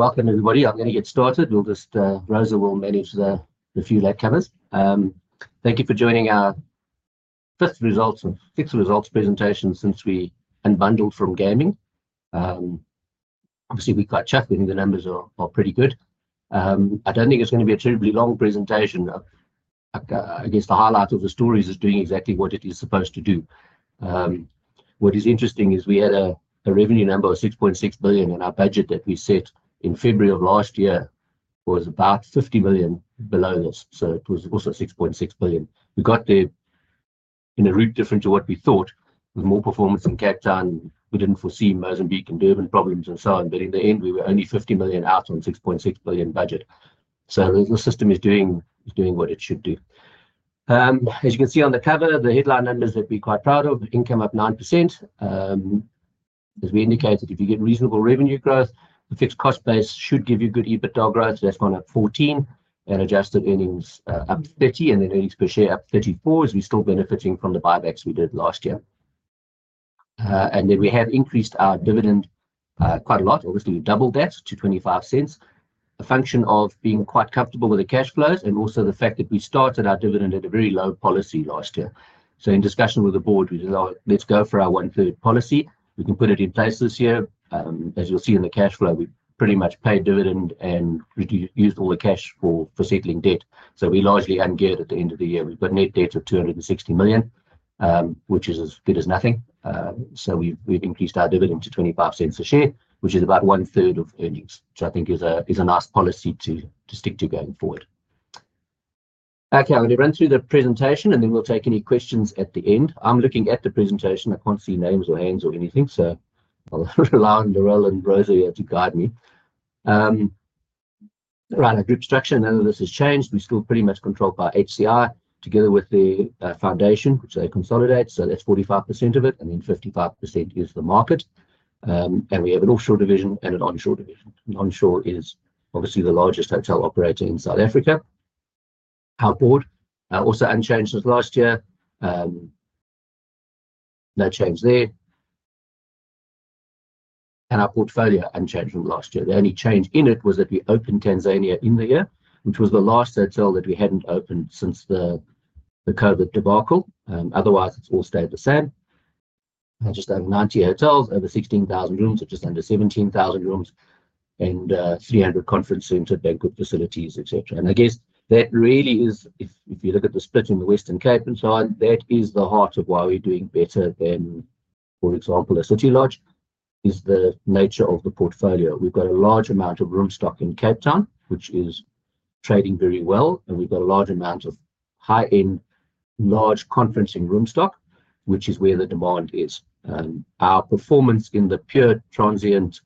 Welcome everybody. I'm going to get started. Rosa will manage the few light covers. Thank you for joining our fifth results presentation since we unbundled from gaming. Obviously, we quite chuckled. I think the numbers are pretty good. I don't think it's going to be a terribly long presentation. I guess the highlight of the story is doing exactly what it is supposed to do. What is interesting is we had a revenue number of 6.6 billion, and our budget that we set in February of last year was about 50 million below this. So it was also 6.6 billion. We got there in a route different to what we thought, with more performance in Cape Town. We didn't foresee Mozambique and Durban problems and so on, but in the end, we were only 50 million out on 6.6 billion budget. So the system is doing what it should do. As you can see on the cover, the headline numbers that we're quite proud of: income up 9%. As we indicated, if you get reasonable revenue growth, the fixed cost base should give you good EBITDA growth. That's gone up 14%, and adjusted earnings up 30%, and then earnings per share up 34%, as we're still benefiting from the buybacks we did last year. We have increased our dividend quite a lot. Obviously, we doubled that to 0.25, a function of being quite comfortable with the cash flows and also the fact that we started our dividend at a very low policy last year. In discussion with the board, we said, "Let's go for our one-third policy." We can put it in place this year. As you'll see in the cash flow, we pretty much paid dividend and used all the cash for settling debt. We are largely ungeared at the end of the year. We have net debt of 260 million, which is as good as nothing. We have increased our dividend to 0.25 a share, which is about one-third of earnings, which I think is a nice policy to stick to going forward. Okay, I am going to run through the presentation, and then we will take any questions at the end. I am looking at the presentation. I cannot see names or hands or anything, so I will rely on Laurel and Rosa here to guide me. Right, our group structure and analysis has changed. We are still pretty much controlled by HCI together with the foundation, which they consolidate. That is 45% of it, and then 55% is the market. We have an offshore division and an onshore division. Onshore is obviously the largest hotel operator in South Africa. Our board also unchanged since last year. No change there. Our portfolio unchanged from last year. The only change in it was that we opened Tanzania in the year, which was the last hotel that we had not opened since the COVID debacle. Otherwise, it has all stayed the same. Just over 90 hotels, over 16,000 rooms, or just under 17,000 rooms, and 300 conference centers, banquet facilities, etc. I guess that really is, if you look at the split in the Western Cape and so on, that is the heart of why we are doing better than, for example, a City Lodge, is the nature of the portfolio. We have got a large amount of room stock in Cape Town, which is trading very well, and we have got a large amount of high-end, large conferencing room stock, which is where the demand is. Our performance in the pure transient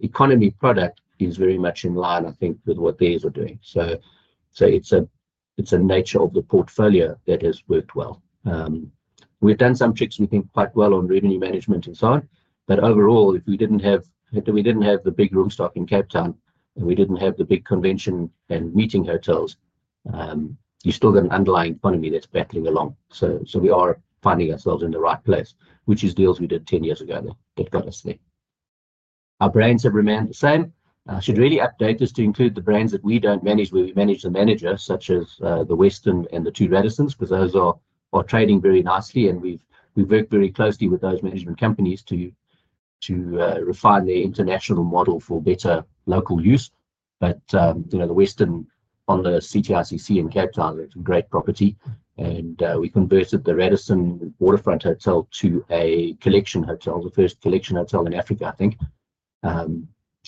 economy product is very much in line, I think, with what these are doing. It is a nature of the portfolio that has worked well. We've done some tricks, we think, quite well on revenue management and so on, but overall, if we didn't have the big room stock in Cape Town, and we didn't have the big convention and meeting hotels, you still got an underlying economy that's battling along. We are finding ourselves in the right place, which is deals we did 10 years ago that got us there. Our brands have remained the same. I should really update this to include the brands that we do not manage, where we manage the manager, such as the Westin and the two Radissons, because those are trading very nicely, and we have worked very closely with those management companies to refine their international model for better local use. The Westin on the CTICC in Cape Town, it is a great property. We converted the Radisson Waterfront Hotel to a Collection hotel, the first Collection hotel in Africa, I think,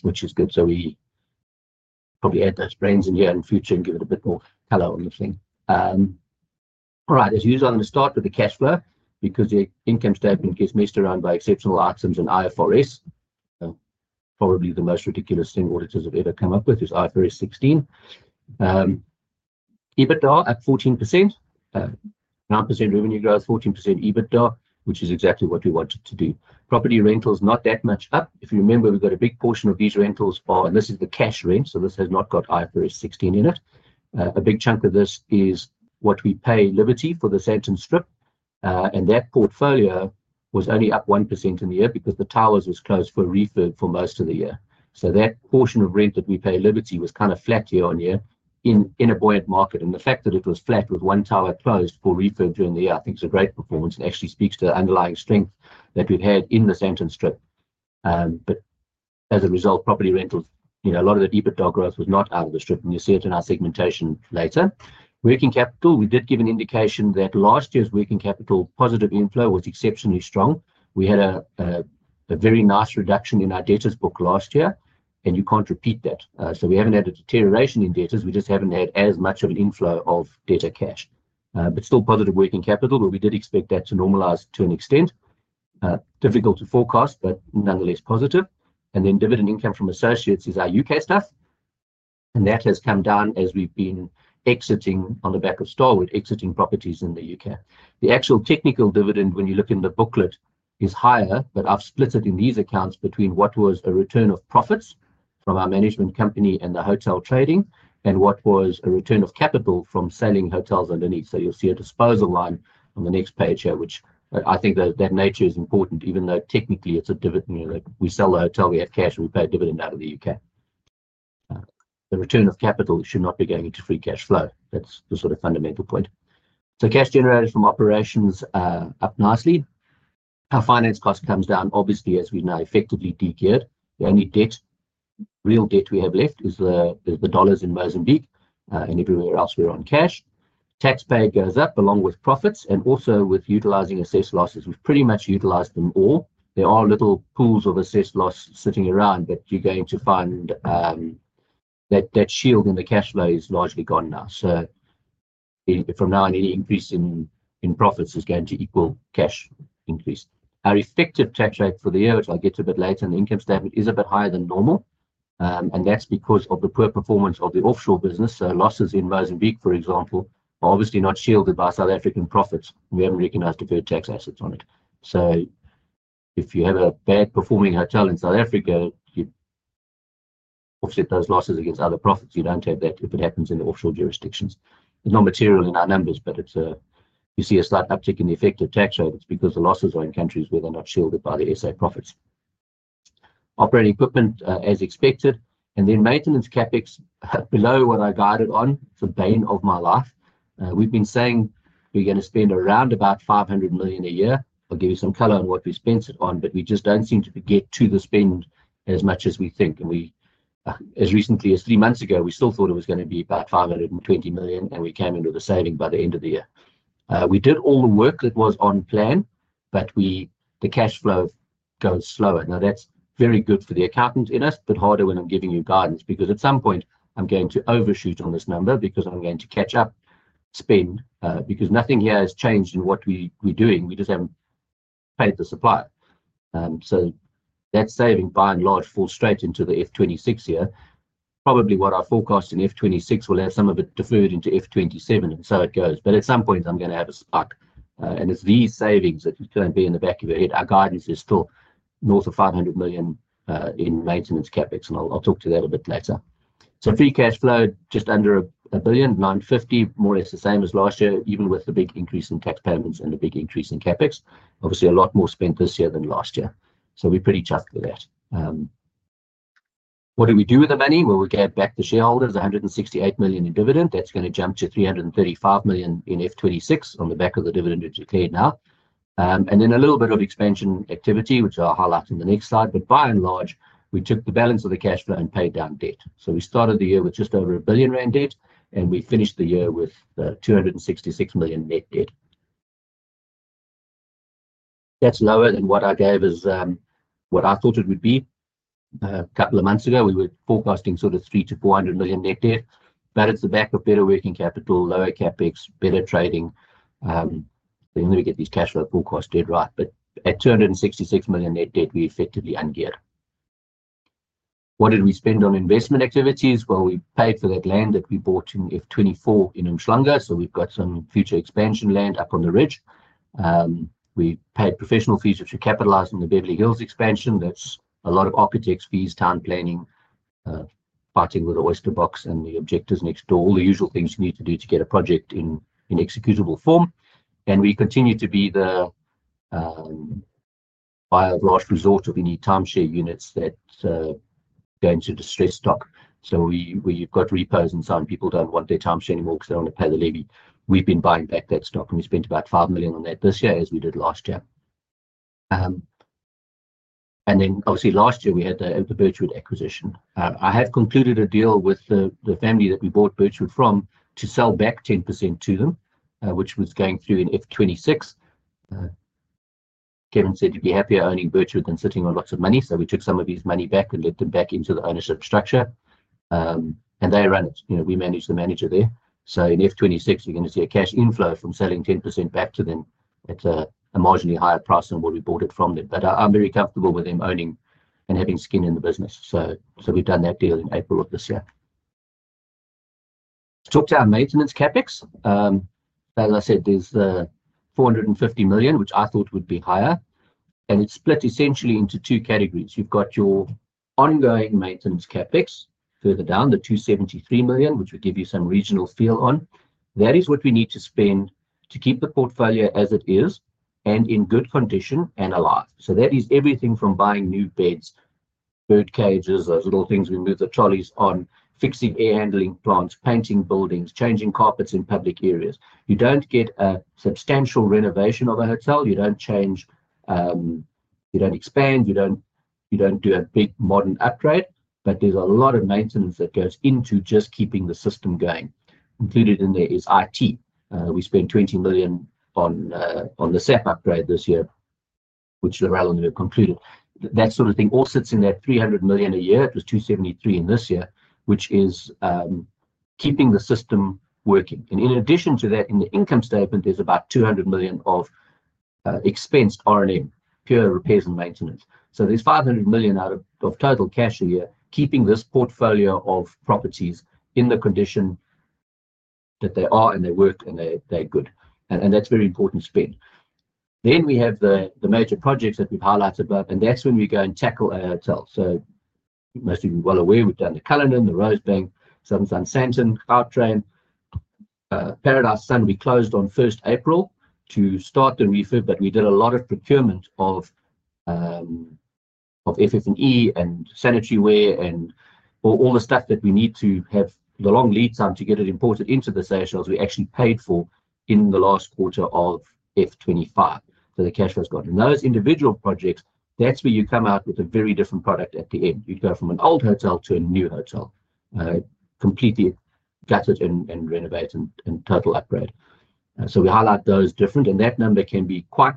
which is good. We will probably add those brands in here in the future and give it a bit more color on the thing. All right, as usual, I am going to start with the cash flow because the income statement gets messed around by exceptional items and IFRS. Probably the most ridiculous thing auditors have ever come up with is IFRS 16. EBITDA up 14%. 9% revenue growth, 14% EBITDA, which is exactly what we wanted to do. Property rentals not that much up. If you remember, we've got a big portion of these rentals by, and this is the cash rent, so this has not got IFRS 16 in it. A big chunk of this is what we pay Liberty for the Sandton Strip, and that portfolio was only up 1% in the year because the Towers were closed for refurb for most of the year. That portion of rent that we pay Liberty was kind of flat year-on-year in a buoyant market. The fact that it was flat with one Tower closed for refurb during the year, I think, is a great performance and actually speaks to the underlying strength that we've had in the Sandton Strip. As a result, property rentals, a lot of the EBITDA growth was not out of the strip, and you'll see it in our segmentation later. Working capital, we did give an indication that last year's working capital positive inflow was exceptionally strong. We had a very nice reduction in our debtors book last year, and you can't repeat that. We haven't had a deterioration in debtors. We just haven't had as much of an inflow of debtor cash, but still positive working capital. We did expect that to normalize to an extent. Difficult to forecast, but nonetheless positive. Dividend income from associates is our U.K. stuff, and that has come down as we've been exiting on the back of Starwood with exiting properties in the U.K. The actual technical dividend, when you look in the booklet, is higher, but I've split it in these accounts between what was a return of profits from our management company and the hotel trading, and what was a return of capital from selling hotels underneath. You will see a disposal line on the next page here, which I think that nature is important, even though technically it's a dividend. We sell the hotel, we have cash, and we pay dividend out of the U.K. The return of capital should not be going into free cash flow. That's the sort of fundamental point. Cash generated from operations up nicely. Our finance cost comes down, obviously, as we now effectively degeared. The only debt, real debt we have left is the dollars in Mozambique, and everywhere else we're on cash. Tax pay goes up along with profits, and also with utilizing assessed losses. We've pretty much utilized them all. There are little pools of assessed loss sitting around, but you're going to find that shield in the cash flow is largely gone now. From now on, any increase in profits is going to equal cash increase. Our effective tax rate for the year, which I'll get to a bit later in the income statement, is a bit higher than normal, and that's because of the poor performance of the offshore business. Losses in Mozambique, for example, are obviously not shielded by South African profits. We haven't recognized deferred tax assets on it. If you have a bad-performing hotel in South Africa, you offset those losses against other profits. You don't have that if it happens in the offshore jurisdictions. It's not material in our numbers, but you see a slight uptick in the effective tax rate because the losses are in countries where they're not shielded by the SA profits. Operating equipment, as expected, and then maintenance CapEx below what I guided on. It's a bane of my life. We've been saying we're going to spend around about 500 million a year. I'll give you some color on what we spent it on, but we just don't seem to get to the spend as much as we think. As recently as three months ago, we still thought it was going to be about 520 million, and we came into the saving by the end of the year. We did all the work that was on plan, but the cash flow goes slower. Now, that's very good for the accountant in us, but harder when I'm giving you guidance, because at some point, I'm going to overshoot on this number because I'm going to catch up spend, because nothing here has changed in what we're doing. We just haven't paid the supplier. That saving, by and large, falls straight into the FY 2026 here. Probably what I forecast in FY 2026 will have some of it deferred into FY 2027, and it goes. At some point, I'm going to have a spark, and it's these savings that you can't be in the back of your head. Our guidance is still north of 500 million in maintenance CapEx, and I'll talk to that a bit later. Free cash flow just under a billion, 950 million, more or less the same as last year, even with the big increase in tax payments and the big increase in CapEx. Obviously, a lot more spent this year than last year, so we're pretty chuffed with that. What do we do with the money? We gave back to shareholders 168 million in dividend. That is going to jump to 335 million in 2026 on the back of the dividend that is declared now. A little bit of expansion activity, which I'll highlight in the next slide, but by and large, we took the balance of the cash flow and paid down debt. We started the year with just over a billion rand debt, and we finished the year with 266 million net debt. That is lower than what I gave us, what I thought it would be. A couple of months ago, we were forecasting sort of 300 million-400 million net debt, but it is the back of better working capital, lower CapEx, better trading. Then we get these cash flow forecasts dead right, but at 266 million net debt, we are effectively ungeared. What did we spend on investment activities? We paid for that land that we bought in 2024 in Umhlanga, so we have some future expansion land up on the ridge. We paid professional fees which we capitalized on the Beverly Hills expansion. That is a lot of architects' fees, town planning, parting with the Oyster Box and the objectors next door, all the usual things you need to do to get a project in executable form. We continue to be the biodiverse resort of any timeshare units that go into distressed stock. We've got repos and some people don't want their timeshare anymore because they don't want to pay the levy. We've been buying back that stock, and we spent about 5 million on that this year, as we did last year. Obviously, last year, we had the Oakford Birchwood acquisition. I have concluded a deal with the family that we bought Birchwood from to sell back 10% to them, which was going through in 2026. Kevin said he'd be happier owning Birchwood than sitting on lots of money, so we took some of his money back and let them back into the ownership structure. They run it. We manage the manager there. In 2026, you're going to see a cash inflow from selling 10% back to them at a marginally higher price than what we bought it from them. I'm very comfortable with them owning and having skin in the business. We have done that deal in April of this year. Talk to our maintenance CapEx. As I said, there is 450 million, which I thought would be higher, and it is split essentially into two categories. You have your ongoing maintenance CapEx further down, the 273 million, which will give you some regional feel on. That is what we need to spend to keep the portfolio as it is and in good condition and alive. That is everything from buying new beds, bird cages, those little things we move the trolleys on, fixing air handling plants, painting buildings, changing carpets in public areas. You do not get a substantial renovation of a hotel. You do not change, you do not expand, you do not do a big modern upgrade, but there is a lot of maintenance that goes into just keeping the system going. Included in there is IT. We spent 20 million on the SAP upgrade this year, which Laurel and I have concluded. That sort of thing all sits in that 300 million a year. It was 273 million in this year, which is keeping the system working. In addition to that, in the income statement, there is about 200 million of expensed R&M, pure repairs and maintenance. There is 500 million out of total cash a year, keeping this portfolio of properties in the condition that they are and they work and they are good. That is very important spend. We have the major projects that we have highlighted above, and that is when we go and tackle our hotels. Most of you are well aware. We've done the Cullinan, the Rosebank, Southern Sun Sandton, Cloud Train. Paradise Sun we closed on 1st April to start the refurb, but we did a lot of procurement of FF&E and sanitary ware and all the stuff that we need to have the long lead time to get it imported into the stations we actually paid for in the last quarter of F2025. The cash flow has gone. Those individual projects, that's where you come out with a very different product at the end. You go from an old hotel to a new hotel, completely gutted and renovated and total upgrade. We highlight those different. That number can be quite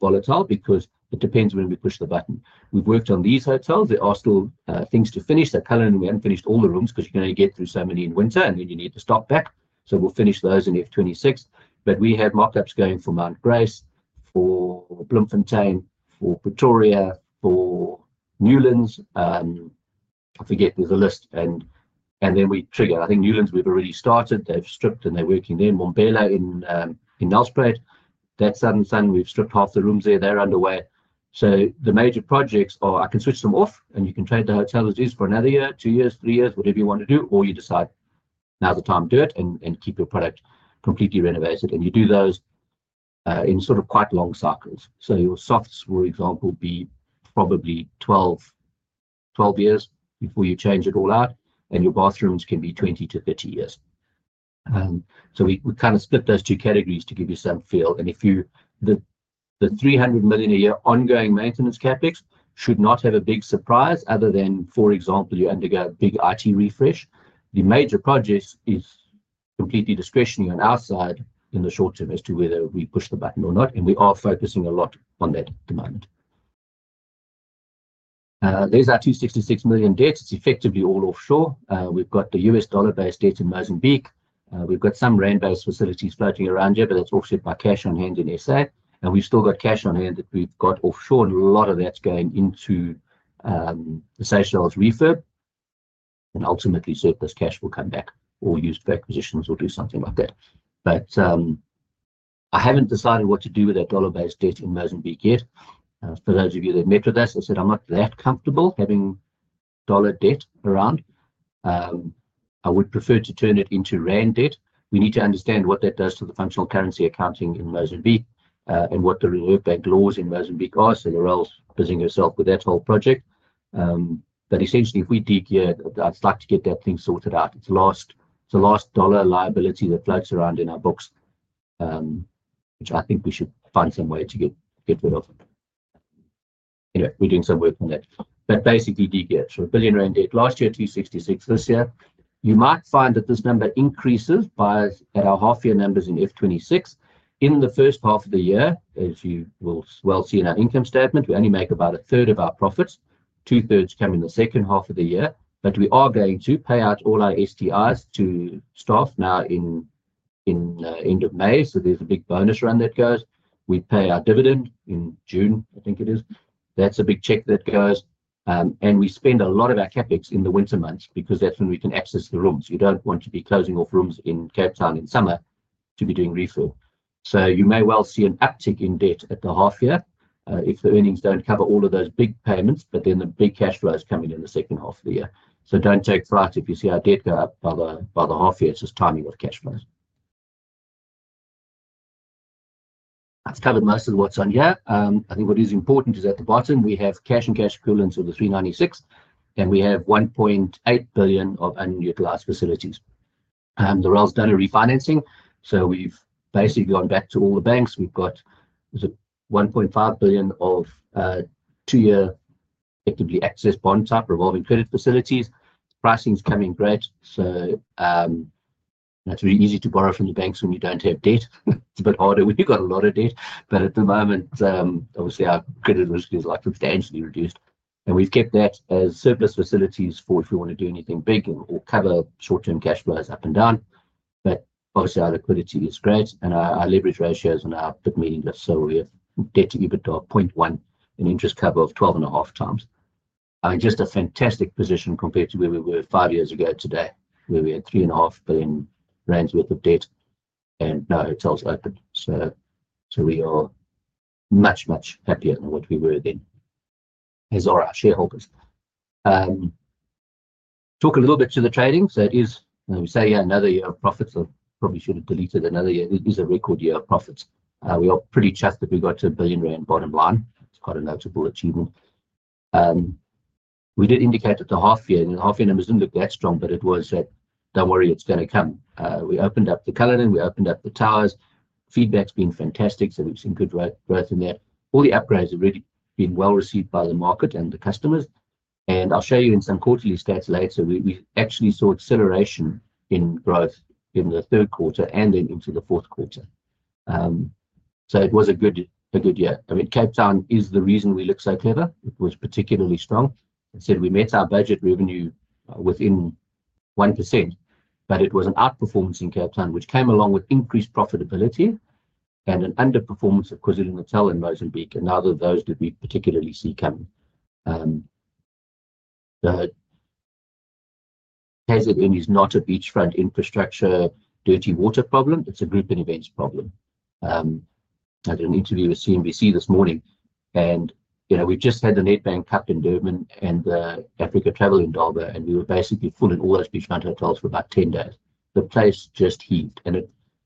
volatile because it depends when we push the button. We've worked on these hotels. There are still things to finish. At Cullinan, we haven't finished all the rooms because you're going to get through so many in winter, and then you need to stop back. We will finish those in 2026. We have mock-ups going for Mount Grace, for Bloemfontein, for Pretoria, for Newlands. I forget the list. We triggered. I think Newlands we've already started. They've stripped and they're working there. Mbombela in Nelspruit. That Southern Sun, we've stripped half the rooms there. They're underway. The major projects are, I can switch them off, and you can trade the hotel as it is for another year, two years, three years, whatever you want to do, or you decide now's the time to do it and keep your product completely renovated. You do those in sort of quite long cycles. Your softs, for example, would probably be 12 years before you change it all out, and your bathrooms can be 20-30 years. We kind of split those two categories to give you some feel. The 300 million a year ongoing maintenance CapEx should not have a big surprise other than, for example, you undergo a big IT refresh. The major project is completely discretionary on our side in the short term as to whether we push the button or not, and we are focusing a lot on that at the moment. There is 266 million debt. It is effectively all offshore. We have got the U.S. dollar-based debt in Mozambique. We have got some rent-based facilities floating around here, but that is offset by cash on hand in South Africa. We still have cash on hand that we have offshore, and a lot of that is going into the stations refurb. Ultimately, surplus cash will come back or be used for acquisitions or something like that. I have not decided what to do with that dollar-based debt in Mozambique yet. For those of you that met with us, I said I am not that comfortable having dollar debt around. I would prefer to turn it into rand debt. We need to understand what that does to the functional currency accounting in Mozambique and what the reserve bank laws in Mozambique are. Laurel is busying herself with that whole project. Essentially, if we degear, I would like to get that sorted out. It is the last dollar liability that floats around in our books, which I think we should find some way to get rid of. Anyway, we're doing some work on that. Basically, degear. So 1 billion rand debt last year, 266 million this year. You might find that this number increases by our half-year numbers in 2026. In the first half of the year, as you will well see in our income statement, we only make about 1/3 of our profits. 2/3 come in the second half of the year. We are going to pay out all our STIs to staff now at the end of May, so there's a big bonus run that goes. We pay our dividend in June, I think it is. That's a big check that goes. We spend a lot of our CapEx in the winter months because that's when we can access the rooms. You do not want to be closing off rooms in Cape Town in summer to be doing refurb. You may well see an uptick in debt at the half-year if the earnings do not cover all of those big payments, but then the big cash flows come in in the second half of the year. Do not take fright if you see our debt go up by the half-year. It is just timing of cash flows. That is covered most of what is on here. I think what is important is at the bottom, we have cash and cash equivalents of 396 million, and we have 1.8 billion of unutilized facilities. The world's done a refinancing, so we have basically gone back to all the banks. We have 1.5 billion of two-year actively accessed bonds up, revolving credit facilities. Pricing is coming great. It is very easy to borrow from the banks when you do not have debt. It is a bit harder when you have got a lot of debt. At the moment, obviously, our credit risk is like substantially reduced. We have kept that as surplus facilities for if we want to do anything big or cover short-term cash flows up and down. Obviously, our liquidity is great, and our leverage ratios are now a bit meaningless. We have debt to EBITDA of 0.1x and interest cover of 12.5x. Just a fantastic position compared to where we were five years ago today, where we had 3.5 billion rand worth of debt and no hotels open. We are much, much happier than what we were then as our shareholders. Talk a little bit to the trading. It is, as we say, another year of profits. I probably should have deleted another year. It is a record year of profits. We are pretty chuffed that we got to 1 billion rand bottom line. It's quite a notable achievement. We did indicate at the half-year, and the half-year numbers didn't look that strong, but it was that, don't worry, it's going to come. We opened up the Cullinan. We opened up the Towers. Feedback's been fantastic, so we've seen good growth in there. All the upgrades have really been well received by the market and the customers. I'll show you in some quarterly stats later. We actually saw acceleration in growth in the third quarter and then into the fourth quarter. It was a good year. I mean, Cape Town is the reason we look so clever. It was particularly strong. I said we met our budget revenue within 1%, but it was an outperformance in Cape Town, which came along with increased profitability and an underperformance of KwaZulu-Natal and Mozambique. Neither of those did we particularly see coming. The hazard is not a beachfront infrastructure dirty water problem. It is a grouping events problem. I did an interview with CNBC this morning, and we have just had the Nedbank Cup in Durban and the Africa Travel in Durban, and we were basically full in all those beachfront hotels for about 10 days. The place just heaved, and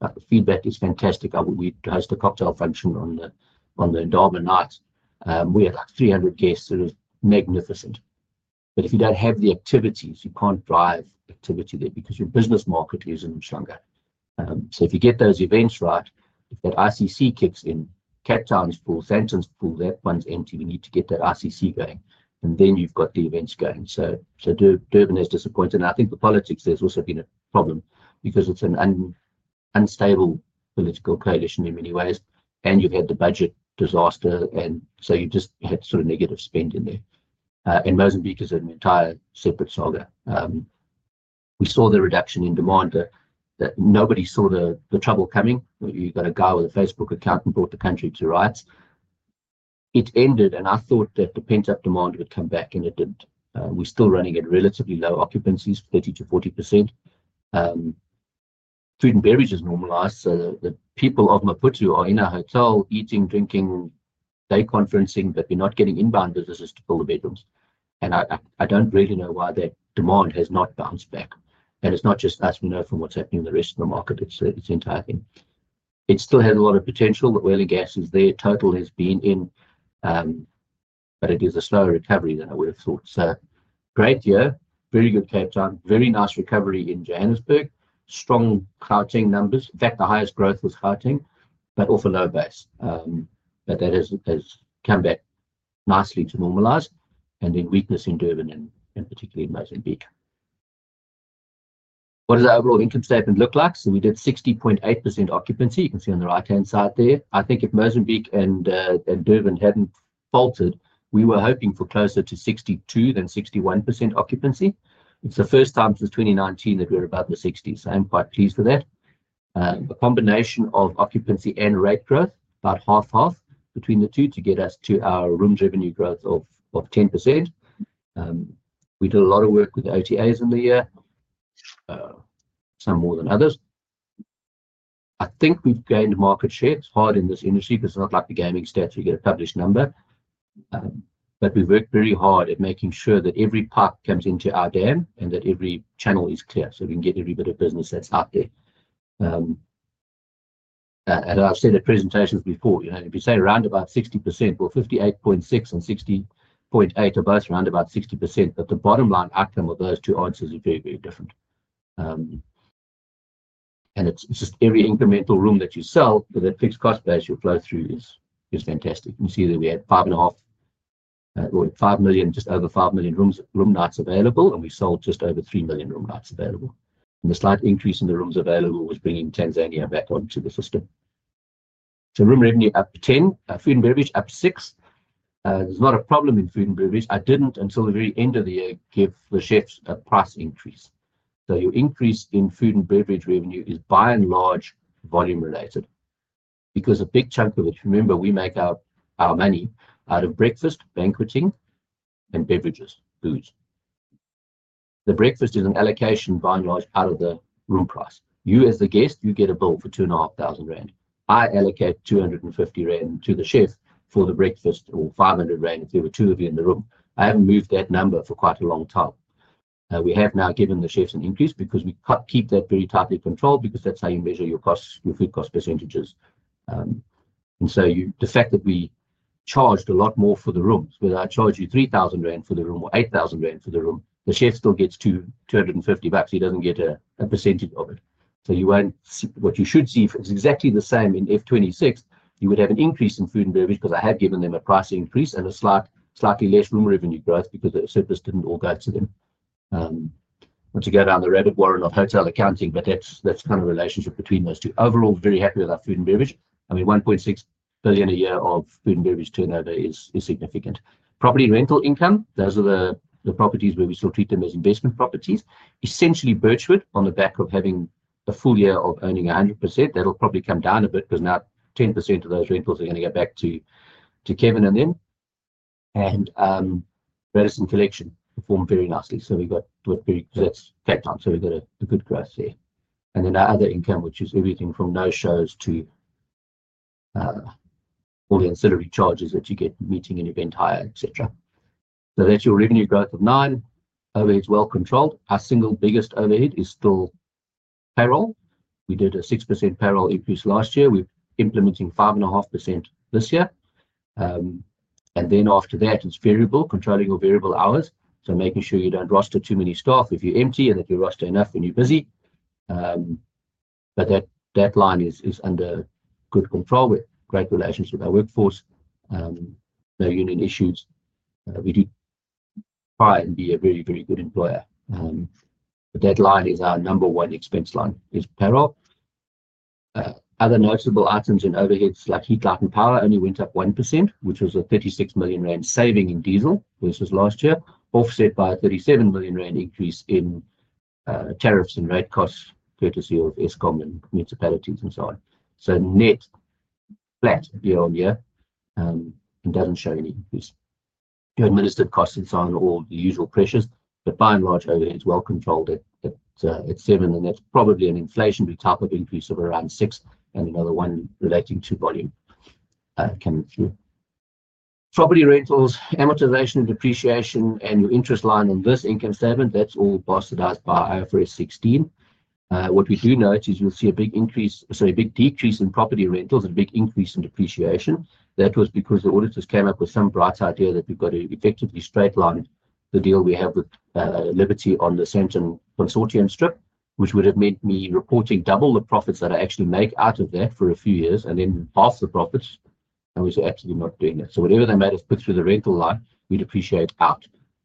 the feedback is fantastic. We host a cocktail function on the Durban nights. We had like 300 guests. It was magnificent. If you do not have the activities, you cannot drive activity there because your business market is in Umhlanga. If you get those events right, if that ICC kicks in, Cape Town is full, Sandton is full, that one's empty. We need to get that ICC going, and then you have the events going. Durban is disappointed. I think the politics there has also been a problem because it is an unstable political coalition in many ways, and you have had the budget disaster, and you just had sort of negative spend in there. Mozambique is an entire separate saga. We saw the reduction in demand. Nobody saw the trouble coming. You got a guy with a Facebook account and brought the country to rights. It ended, and I thought that the pent-up demand would come back, and it did not. We are still running at relatively low occupancies, 30%-40%. Food and beverages normalized. The people of Maputo are in a hotel eating, drinking, day conferencing, but you're not getting inbound visitors to fill the bedrooms. I don't really know why that demand has not bounced back. It's not just us, we know from what's happening in the rest of the market. It's the entire thing. It still has a lot of potential. The oil and gas is there. Total has been in, but it is a slower recovery than I would have thought. Great year. Very good Cape Town. Very nice recovery in Johannesburg. Strong clouding numbers. In fact, the highest growth was clouding, but off a low base. That has come back nicely to normalize and then weakness in Durban and particularly in Mozambique. What does our overall income statement look like? We did 60.8% occupancy. You can see on the right-hand side there. I think if Mozambique and Durban hadn't faltered, we were hoping for closer to 62% than 61% occupancy. It's the first time since 2019 that we're above the 60%, so I'm quite pleased with that. A combination of occupancy and rate growth, about half-half between the two to get us to our room revenue growth of 10%. We did a lot of work with OTAs in the year, some more than others. I think we've gained market share. It's hard in this industry because it's not like the gaming stats. You get a published number. We have worked very hard at making sure that every puck comes into our dam and that every channel is clear so we can get every bit of business that's out there. I've said at presentations before, if you say around about 60%, 58.6% and 60.8% are both around about 60%, but the bottom line outcome of those two answers is very, very different. It is just every incremental room that you sell with a fixed cost base your flow through is fantastic. You see that we had 5.5 million, 5 million, just over 5 million room nights available, and we sold just over 3 million room nights available. The slight increase in the rooms available was bringing Tanzania back onto the system. Room revenue up to 10, food and beverage up to 6. There's not a problem in food and beverage. I did not until the very end of the year give the chefs a price increase. Your increase in food and beverage revenue is by and large volume related because a big chunk of it, remember, we make our money out of breakfast, banqueting, and beverages, booze. The breakfast is an allocation by and large out of the room price. You, as the guest, you get a bowl for 2,500 rand. I allocate 250 rand to the chef for the breakfast or 500 rand if there were two of you in the room. I have not moved that number for quite a long time. We have now given the chefs an increase because we keep that very tightly controlled because that is how you measure your food cost percentages. The fact that we charged a lot more for the rooms, whether I charge you 3,000 rand for the room or 8,000 rand for the room, the chef still gets ZAR 250. He doesn't get a percentage of it. What you should see is exactly the same in FY 2026. You would have an increase in food and beverage because I have given them a price increase and a slightly less room revenue growth because the surplus didn't all go to them. Once you go down the rabbit warren of hotel accounting, that's kind of a relationship between those two. Overall, very happy with our food and beverage. I mean, 1.6 billion a year of food and beverage turnover is significant. Property rental income, those are the properties where we still treat them as investment properties. Essentially, Birchwood, on the back of having a full year of earning 100%, that'll probably come down a bit because now 10% of those rentals are going to go back to Kevin and them. Radisson Collection performed very nicely. We've got very good, that's Cape Town, we've got a good growth there. Our other income, which is everything from no shows to all the ancillary charges that you get, meeting and event hire, etc. That's your revenue growth of 9%. Overhead's well controlled. Our single biggest overhead is still payroll. We did a 6% payroll increase last year. We're implementing 5.5% this year. After that, it's variable, controlling your variable hours. Making sure you don't roster too many staff if you're empty and that you roster enough when you're busy. That line is under good control. We have great relations with our workforce. No union issues. We do try and be a very, very good employer. That line is our number one expense line, is payroll. Other notable items in overheads, like heat, light, and power, only went up 1%, which was a 36 million rand saving in diesel versus last year, offset by a 37 million rand increase in tariffs and rate costs courtesy of Eskom and municipalities and so on. Net flat year-on-year and does not show any increase. Your administered costs and so on, all the usual pressures. By and large, overheads well controlled at 7%, and that is probably an inflationary type of increase of around 6% and another one relating to volume coming through. Property rentals, amortization, depreciation, and your interest line on this income statement, that is all busted out by IFRS 16. What we do note is you will see a big increase, sorry, a big decrease in property rentals and a big increase in depreciation. That was because the auditors came up with some bright idea that we've got to effectively straightline the deal we have with Liberty on the Sandton Consortium strip, which would have meant me reporting double the profits that I actually make out of that for a few years and then half the profits. We were actually not doing that. Whatever they made us put through the rental line, we'd depreciate out.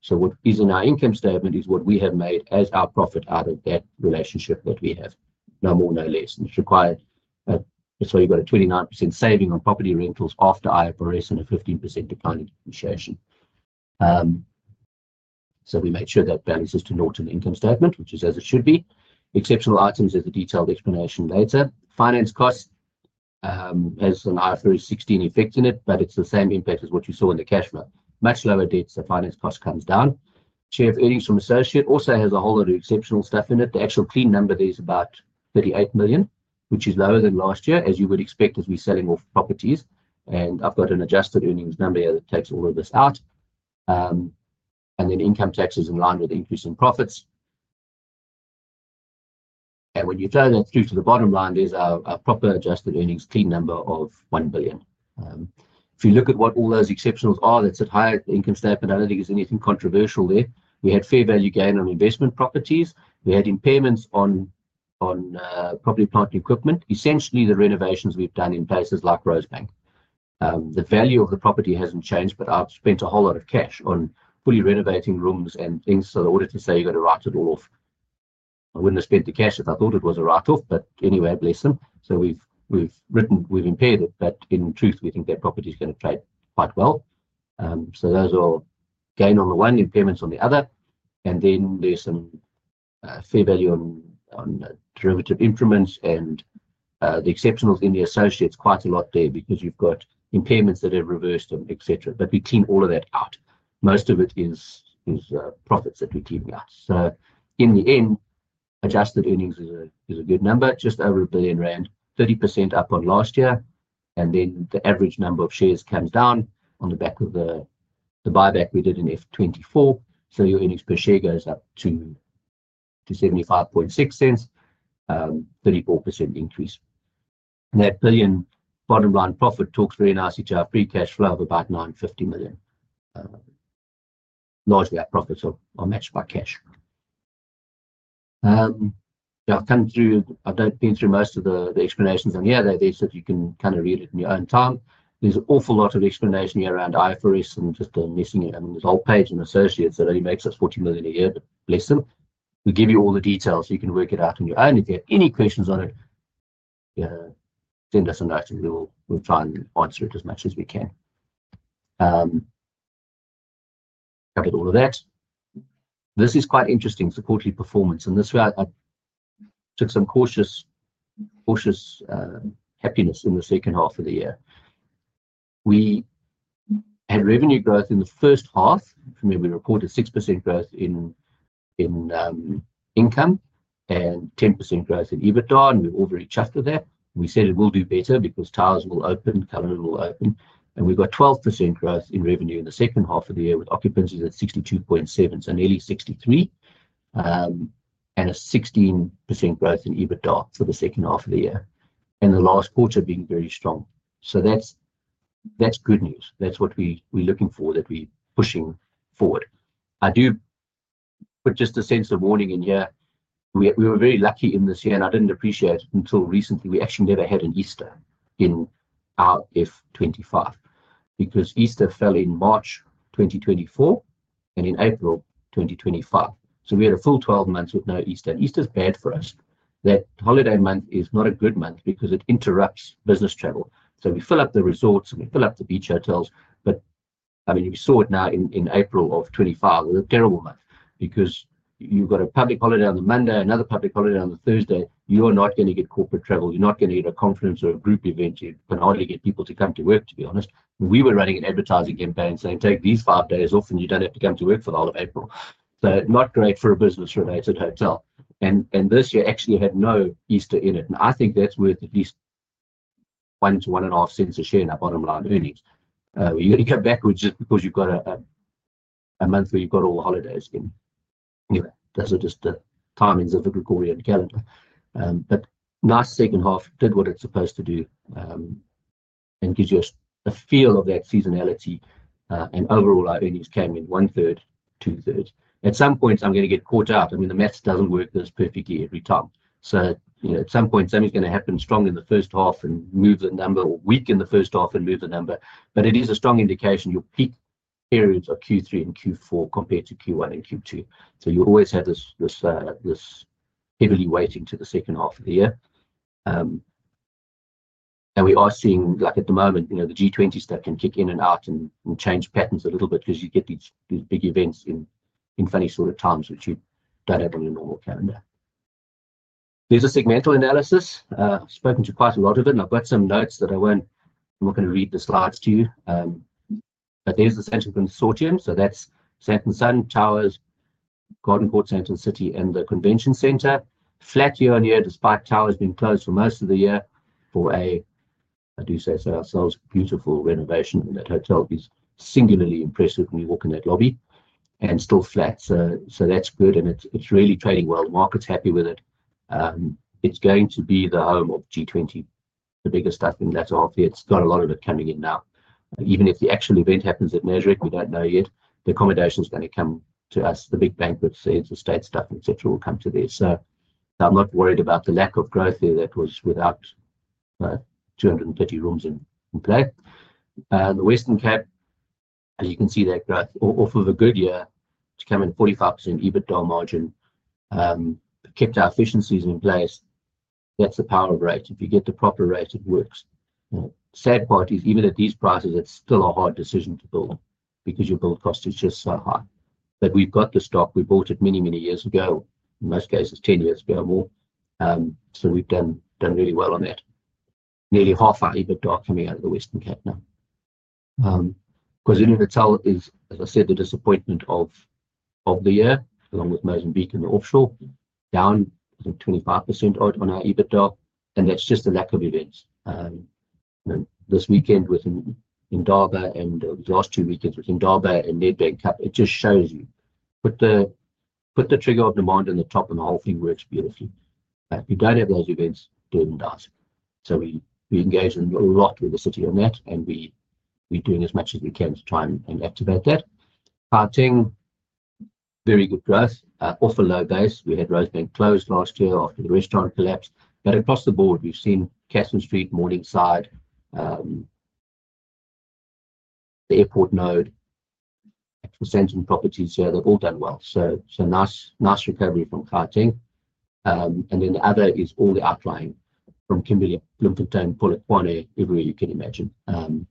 What is in our income statement is what we have made as our profit out of that relationship that we have, no more, no less. It is required. You have a 29% saving on property rentals after IFRS 16 and a 15% accounting depreciation. We made sure that balance is to net in the income statement, which is as it should be. Exceptional items is a detailed explanation later. Finance costs has an IFRS 16 effect in it, but it's the same impact as what you saw in the cash flow. Much lower debts than finance costs comes down. Chief earnings from associate also has a whole lot of exceptional stuff in it. The actual clean number there is about 38 million, which is lower than last year, as you would expect as we're selling off properties. I've got an adjusted earnings number here that takes all of this out. Income tax is in line with increasing profits. When you throw that through to the bottom line, there's a proper adjusted earnings clean number of 1 billion. If you look at what all those exceptionals are, that's at higher income statement. I don't think there's anything controversial there. We had fair value gain on investment properties. We had impairments on property, plant and equipment. Essentially, the renovations we've done in places like Rosebank. The value of the property hasn't changed, but I've spent a whole lot of cash on fully renovating rooms and things. The auditors say you've got to write it all off. I wouldn't have spent the cash if I thought it was a write-off, but anyway, I bless them. We've impaired it, but in truth, we think that property is going to trade quite well. Those are gain on the one, impairments on the other. There is some fair value on derivative increments and the exceptionals in the associates, quite a lot there because you've got impairments that are reversed and etc. We clean all of that out. Most of it is profits that we're cleaning out. In the end, adjusted earnings is a good number, just over 1 billion rand, 30% up on last year. The average number of shares comes down on the back of the buyback we did in FY 2024. Your earnings per share goes up to 75.60, 34% increase. That 1 billion bottom line profit talks very nicely to our free cash flow of about 950 million. Largely our profits are matched by cash. I've been through most of the explanations on here. They said you can kind of read it in your own time. There's an awful lot of explanation here around IFRS 16 and just the missing it. I mean, there's a whole page and associates that only makes us 40 million a year, but bless them. We'll give you all the details so you can work it out on your own. If you have any questions on it, send us a note and we'll try and answer it as much as we can. Covered all of that. This is quite interesting, supported performance. This is where I took some cautious happiness in the second half of the year. We had revenue growth in the first half. I remember we reported 6% growth in income and 10% growth in EBITDA, and we were all very chuffed with that. We said it will do better because Towers will open, Cullinan will open. We've got 12% growth in revenue in the second half of the year with occupancies at 62.7%, so nearly 63%, and a 16% growth in EBITDA for the second half of the year. The last quarter being very strong. That is good news. That is what we're looking for, that we're pushing forward. I do put just a sense of warning in here. We were very lucky in this year, and I did not appreciate it until recently. We actually never had an Easter in our FY 2025 because Easter fell in March 2024 and in April 2025. We had a full 12 months with no Easter. Easter is bad for us. That holiday month is not a good month because it interrupts business travel. We fill up the resorts and we fill up the beach hotels. I mean, we saw it now in April of 2025. It was a terrible month because you have a public holiday on the Monday, another public holiday on the Thursday. You are not going to get corporate travel. You are not going to get a conference or a group event. You can hardly get people to come to work, to be honest. We were running an advertising campaign saying, "Take these five days off, and you do not have to come to work for the whole of April." Not great for a business-related hotel. This year actually had no Easter in it. I think that is worth at least one to one and a half cents a share in our bottom line earnings. You are going to go backwards just because you have a month where you have all the holidays in. Anyway, those are just the timings of the Gregorian calendar. Nice second half did what it is supposed to do and gives you a feel of that seasonality. Overall, our earnings came in one third, two thirds. At some points, I am going to get caught out. I mean, the maths does not work this perfectly every time. At some point, something's going to happen strong in the first half and move the number, or weak in the first half and move the number. It is a strong indication your peak periods are Q3 and Q4 compared to Q1 and Q2. You always have this heavily weighting to the second half of the year. We are seeing, like at the moment, the G20 stuff can kick in and out and change patterns a little bit because you get these big events in funny sort of times, which you do not have on your normal calendar. There is a segmental analysis. I have spoken to quite a lot of it, and I have got some notes that I am not going to read the slides to you. There is the Sandton Consortium. That is Southern Sun, Towers, Garden Court, Sandton City, and the Convention Center. Flat year-on-year, despite Towers being closed for most of the year. For a, I do say so, ourselves beautiful renovation in that hotel is singularly impressive when you walk in that lobby and still flat. That is good, and it is really trading well. The market is happy with it. It is going to be the home of G20, the biggest stuff in that half year. It has got a lot of it coming in now. Even if the actual event happens at Mezrich, we do not know yet. The accommodation is going to come to us. The big banquets, the state stuff, etc., will come to there. I am not worried about the lack of growth there that was without 230 rooms in play. The Western Cape, as you can see that growth off of a good year to come in 45% EBITDA margin, kept our efficiencies in place. That's the power of rate. If you get the proper rate, it works. The sad part is, even at these prices, it's still a hard decision to build because your build cost is just so high. We have the stock. We bought it many, many years ago, in most cases, 10 years ago or more. We have done really well on that. Nearly half our EBITDA coming out of the Western Cape now. Brazilian Hotel is, as I said, the disappointment of the year, along with Mozambique and the offshore, down 25% on our EBITDA. That is just the lack of events. This weekend with Indaba and the last two weekends with Indaba and Nedbank Cup, it just shows you. Put the trigger of the mind on the top and the whole thing works beautifully. If you do not have those events, do not ask. We engage a lot with the city on that, and we're doing as much as we can to try and activate that. Gauteng, very good growth, off a low base. We had Rosebank closed last year after the restaurant collapse. Across the board, we've seen Katherine Street, Morningside, the airport node, Sandton properties, they've all done well. Nice recovery from Gauteng. The other is all the outlying from Kimberley, Bloemfontein, Polokwane, Queenstown, everywhere you can imagine. I'm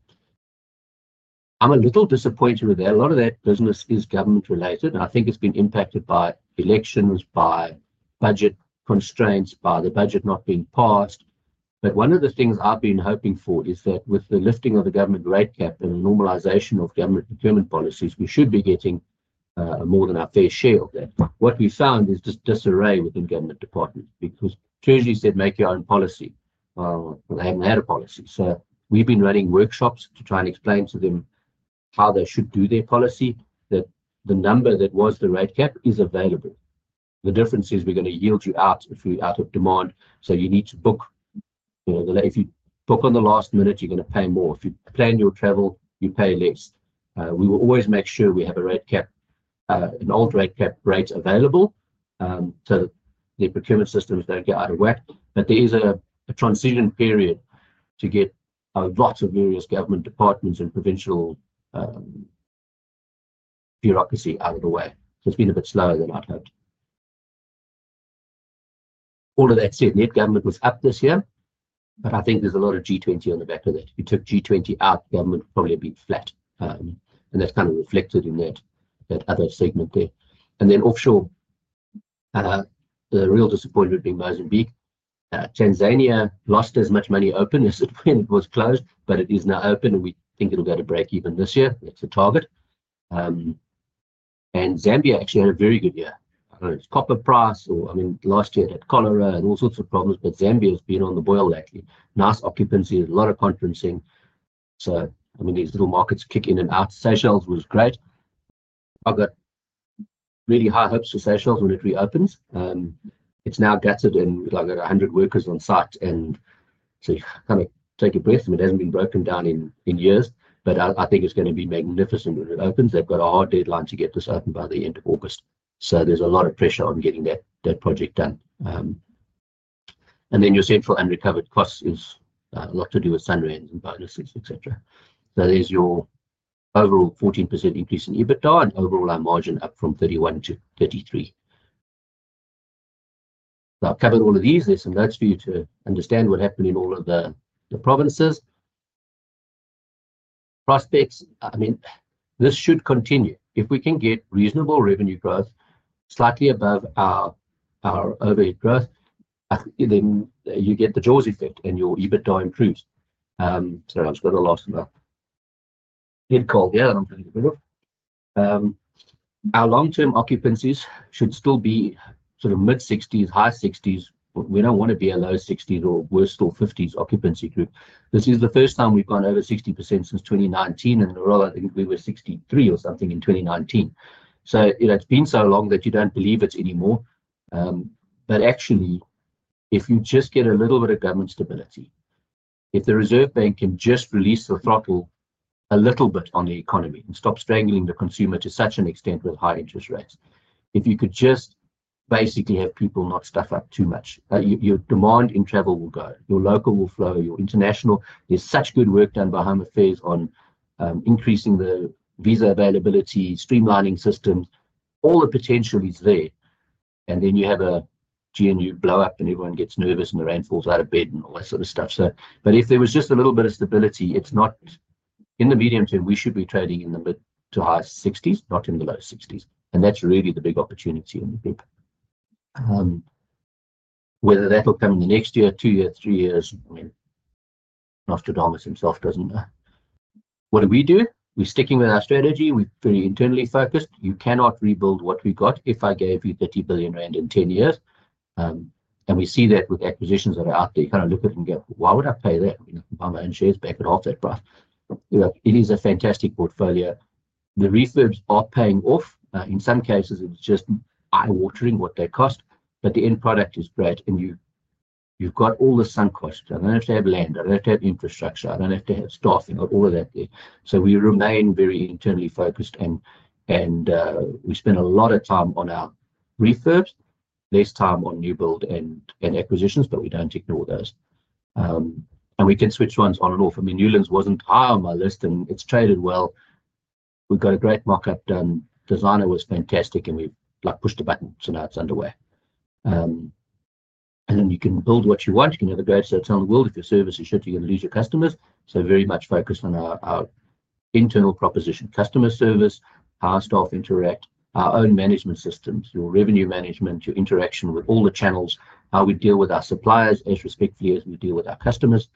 a little disappointed with that. A lot of that business is government-related, and I think it's been impacted by elections, by budget constraints, by the budget not being passed. One of the things I've been hoping for is that with the lifting of the government rate cap and the normalization of government procurement policies, we should be getting more than our fair share of that. What we found is just disarray within government departments because Treasury said, "Make your own policy." They have not had a policy. We have been running workshops to try and explain to them how they should do their policy, that the number that was the rate cap is available. The difference is we are going to yield you out if you are out of demand. You need to book; if you book at the last minute, you are going to pay more. If you plan your travel, you pay less. We will always make sure we have an old rate cap rate available so that the procurement systems do not get out of whack. There is a transition period to get lots of various government departments and provincial bureaucracy out of the way. It has been a bit slower than I had hoped. All of that said, net government was up this year, but I think there's a lot of G20 on the back of that. If you took G20 out, government would probably be flat. That is kind of reflected in that other segment there. Offshore, the real disappointment being Mozambique. Tanzania lost as much money open as it did when it was closed, but it is now open, and we think it'll get to break even this year. That is the target. Zambia actually had a very good year. I don't know if it's copper price or, I mean, last year it had cholera and all sorts of problems, but Zambia has been on the boil lately. Nice occupancy, a lot of conferencing. I mean, these little markets kick in and out. Seychelles was great. I've got really high hopes for Seychelles when it reopens. It's now gutted and we've got 100 workers on site. You kind of take a breath. I mean, it hasn't been broken down in years, but I think it's going to be magnificent when it opens. They've got a hard deadline to get this open by the end of August. There's a lot of pressure on getting that project done. Your central unrecovered costs is a lot to do with sun rains and bonuses, etc. There's your overall 14% increase in EBITDA and overall our margin up from 31% to 33%. I've covered all of these. There are some notes for you to understand what happened in all of the provinces. Prospects, I mean, this should continue. If we can get reasonable revenue growth slightly above our overhead growth, then you get the Jaws effect and your EBITDA improves. Sorry, I've just got a last minute head call here that I'm trying to get rid of. Our long-term occupancies should still be sort of mid-60s, high 60s. We don't want to be a low 60s or worse still 50s occupancy group. This is the first time we've gone over 60% since 2019, and we were 63 or something in 2019. It has been so long that you don't believe it anymore. Actually, if you just get a little bit of government stability, if the Reserve Bank can just release the throttle a little bit on the economy and stop strangling the consumer to such an extent with high interest rates, if you could just basically have people not stuff up too much, your demand in travel will go. Your local will flow. Your international, there's such good work done by Home Affairs on increasing the visa availability, streamlining systems. All the potential is there. You have a GNU blow-up and everyone gets nervous and the rand falls out of bed and all that sort of stuff. If there was just a little bit of stability, it's not in the medium term, we should be trading in the mid to high-60s, not in the low 60s. That's really the big opportunity in the paper. Whether that will come in the next year, two years, three years, I mean, Nostradamus himself doesn't know. What do we do? We're sticking with our strategy. We're very internally focused. You cannot rebuild what we got if I gave you 30 billion rand in 10 years. We see that with acquisitions that are out there. You kind of look at it and go, "Why would I pay that?" Buy my own shares, back it off that price. It is a fantastic portfolio. The refurbs are paying off. In some cases, it is just eye-watering what they cost, but the end product is great. You have got all the sunk costs. I do not have to have land. I do not have to have infrastructure. I do not have to have staffing or all of that there. We remain very internally focused, and we spend a lot of time on our refurbs, less time on new build and acquisitions, but we do not ignore those. We can switch ones on and off. I mean, Newlands was not high on my list, and it has traded well. We have got a great mock-up done. Designer was fantastic, and we have pushed the button, so now it is underway. You can build what you want. You can have the greatest hotel in the world. If your service is shit, you're going to lose your customers. Very much focused on our internal proposition, customer service, passed off interact, our own management systems, your revenue management, your interaction with all the channels, how we deal with our suppliers as respectfully as we deal with our customers,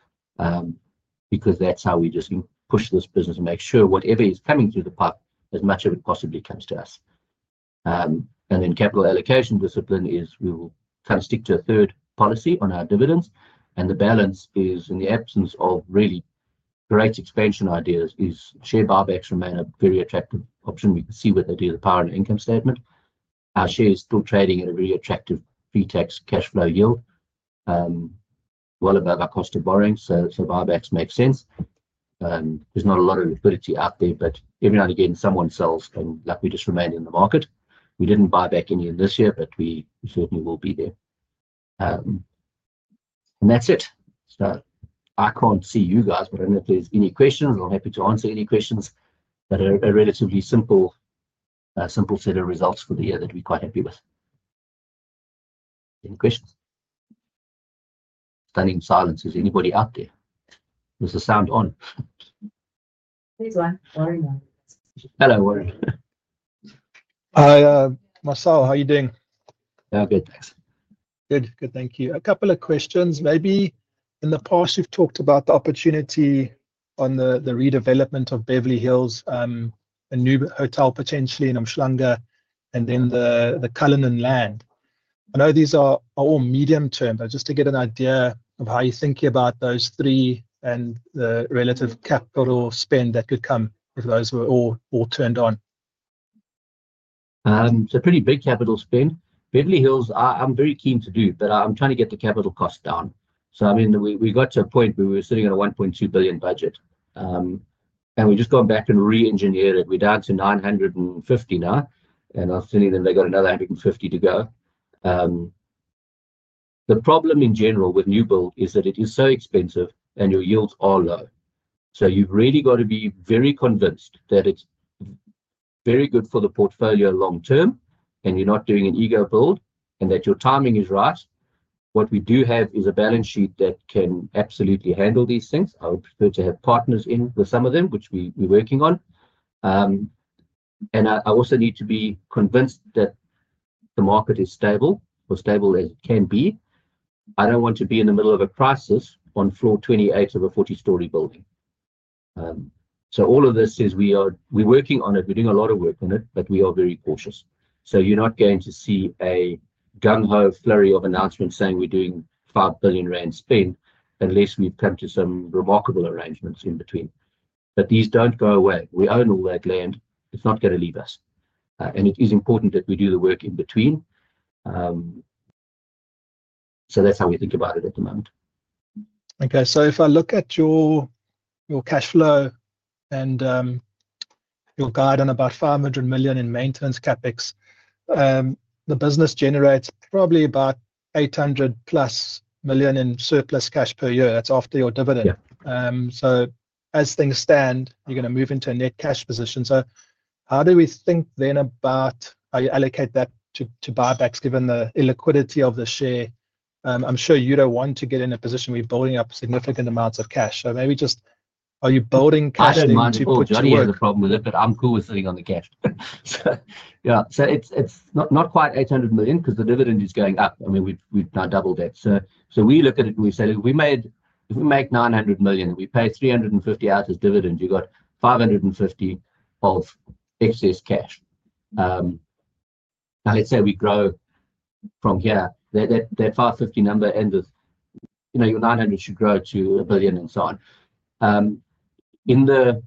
because that's how we just push this business and make sure whatever is coming through the pipe, as much of it possibly comes to us. Capital allocation discipline is we will kind of stick to a third policy on our dividends. The balance is, in the absence of really great expansion ideas, share buybacks remain a very attractive option. We can see what they do to the power and income statement. Our share is still trading at a very attractive pre-tax cash flow yield, well above our cost of borrowing. Buybacks make sense. There is not a lot of liquidity out there, but every now and again, someone sells, and we just remain in the market. We did not buy back any in this year, but we certainly will be there. That is it. I cannot see you guys, but if there are any questions, I am happy to answer any questions. A relatively simple set of results for the year that we are quite happy with. Any questions? Stunning silence. Is anybody out there? There is a sound on. There's one. Warren now. Hello, Warren. Hi, Marcel. How are you doing? Yeah, good. Thanks. Good. Good. Thank you. A couple of questions. Maybe in the past, you've talked about the opportunity on the redevelopment of Beverly Hills, a new hotel potentially in Umhlanga, and then the Cullinan land. I know these are all medium terms, but just to get an idea of how you're thinking about those three and the relative capital spend that could come if those were all turned on. It's a pretty big capital spend. Beverly Hills, I'm very keen to do, but I'm trying to get the capital cost down. I mean, we got to a point where we were sitting on a 1.2 billion budget, and we've just gone back and re-engineered it. We're down to 950 million now, and I'm assuming that they've got another 150 million to go. The problem in general with new build is that it is so expensive and your yields are low. You've really got to be very convinced that it's very good for the portfolio long term, and you're not doing an ego build, and that your timing is right. What we do have is a balance sheet that can absolutely handle these things. I would prefer to have partners in with some of them, which we're working on. I also need to be convinced that the market is stable, as stable as it can be. I do not want to be in the middle of a crisis on floor 28 of a 40-story building. All of this is we're working on it. We're doing a lot of work on it, but we are very cautious. You're not going to see a gung-ho flurry of announcements saying we're doing 5 billion rand spend unless we've come to some remarkable arrangements in between. These do not go away. We own all that land. It's not going to leave us. It is important that we do the work in between. That is how we think about it at the moment. Okay. If I look at your cash flow and your guide on about 500 million in maintenance CapEx, the business generates probably about 800 million plus in surplus cash per year. That is after your dividend. As things stand, you are going to move into a net cash position. How do we think then about how you allocate that to buybacks given the illiquidity of the share? I am sure you do not want to get in a position where you are building up significant amounts of cash. Maybe just, are you building cash into your portfolio? I didn't mind too much of a problem with it, but I'm cool with sitting on the cash. It's not quite 800 million because the dividend is going up. I mean, we've now doubled it. We look at it and we say, if we make 900 million and we pay 350 million out as dividend, you've got 550 million of excess cash. Now, let's say we grow from here. That 550 million number ends with your 900 million should grow to a billion and so on. In the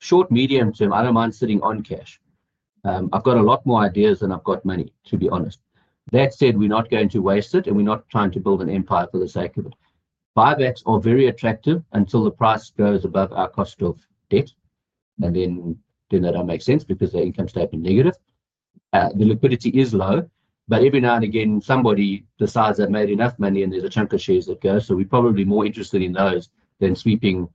short, medium term, I don't mind sitting on cash. I've got a lot more ideas than I've got money, to be honest. That said, we're not going to waste it, and we're not trying to build an empire for the sake of it. Buybacks are very attractive until the price goes above our cost of debt. That does not make sense because the income statement is negative. The liquidity is low, but every now and again, somebody decides they have made enough money and there is a chunk of shares that go. We are probably more interested in those than sweeping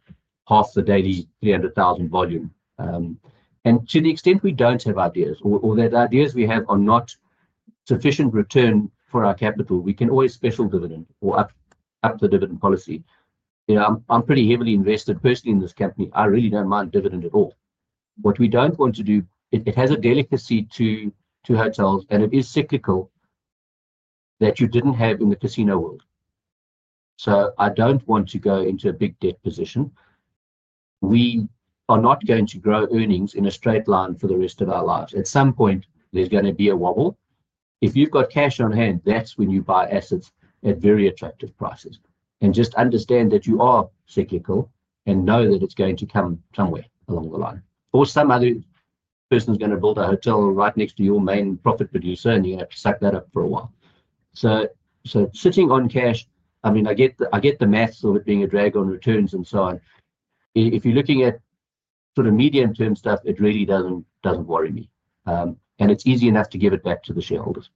half the daily 300,000 volume. To the extent we do not have ideas, or the ideas we have are not sufficient return for our capital, we can always special dividend or up the dividend policy. I am pretty heavily invested personally in this company. I really do not mind dividend at all. What we do not want to do, it has a delicacy to hotels, and it is cyclical that you did not have in the casino world. I do not want to go into a big debt position. We are not going to grow earnings in a straight line for the rest of our lives. At some point, there's going to be a wobble. If you've got cash on hand, that's when you buy assets at very attractive prices. Just understand that you are cyclical and know that it's going to come somewhere along the line. Or some other person's going to build a hotel right next to your main profit producer, and you're going to have to suck that up for a while. Sitting on cash, I mean, I get the maths of it being a drag on returns and so on. If you're looking at sort of medium-term stuff, it really doesn't worry me. It's easy enough to give it back to the shareholders.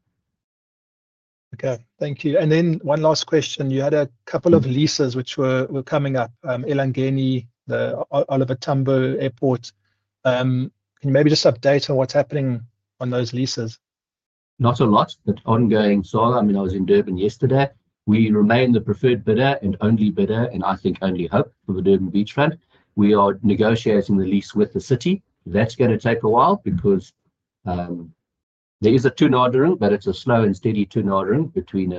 Okay. Thank you. One last question. You had a couple of leases which were coming up, Elangeni, the Oliver Tambo Airport. Can you maybe just update on what's happening on those leases? Not a lot, but ongoing solo. I mean, I was in Durban yesterday. We remain the preferred bidder and only bidder, and I think only hope for the Durban Beachfront. We are negotiating the lease with the city. That's going to take a while because there is a two-node ring, but it's a slow and steady two-node ring between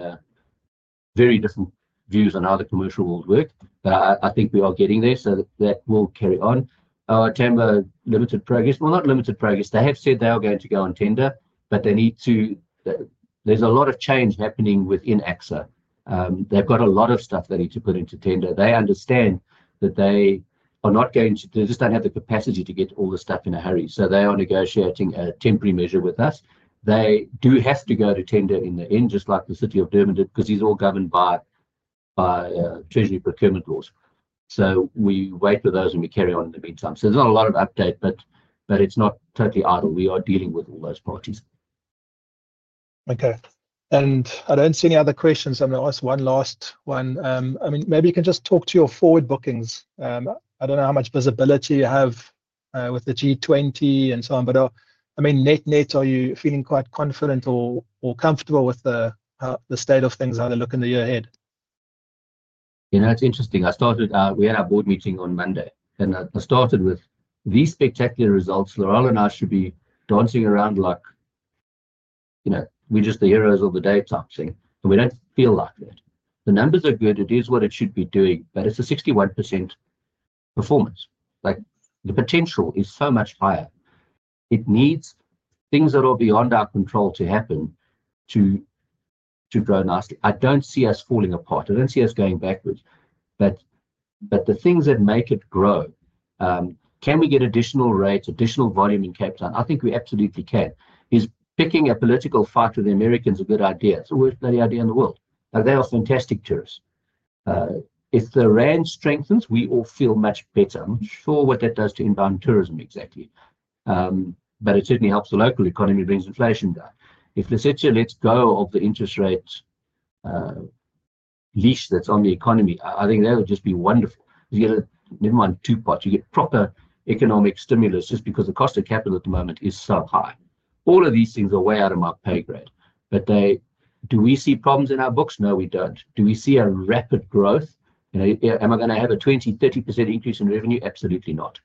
very different views on how the commercial world works. I think we are getting there, so that will carry on. Our Tambo, limited progress, well, not limited progress. They have said they are going to go on tender, but they need to, there's a lot of change happening within AXA. They've got a lot of stuff they need to put into tender. They understand that they are not going to, they just don't have the capacity to get all the stuff in a hurry. They are negotiating a temporary measure with us. They do have to go to tender in the end, just like the city of Durban did, because these are all governed by Treasury procurement laws. We wait for those and we carry on in the meantime. There is not a lot of update, but it is not totally idle. We are dealing with all those parties. Okay. I don't see any other questions. I'm going to ask one last one. I mean, maybe you can just talk to your forward bookings. I don't know how much visibility you have with the G20 and so on, but I mean, net-net, are you feeling quite confident or comfortable with the state of things, how they're looking the year ahead? You know, it's interesting. We had our board meeting on Monday, and I started with these spectacular results. Laurel and I should be dancing around like we're just the heroes of the day type thing. We don't feel like that. The numbers are good. It is what it should be doing, but it's a 61% performance. The potential is so much higher. It needs things that are beyond our control to happen to grow nicely. I don't see us falling apart. I don't see us going backwards. The things that make it grow, can we get additional rates, additional volume in capital? I think we absolutely can. Is picking a political fight with the Americans a good idea? It's always the idea in the world. They are fantastic tourists. If the rand strengthens, we all feel much better. I'm not sure what that does to inbound tourism exactly, but it certainly helps the local economy, brings inflation down. If Lesotho lets go of the interest rate leash that's on the economy, I think that would just be wonderful. You get a never mind two pots. You get proper economic stimulus just because the cost of capital at the moment is so high. All of these things are way out of my pay grade. Do we see problems in our books? No, we don't. Do we see a rapid growth? Am I going to have a 20%-30% increase in revenue? Absolutely not.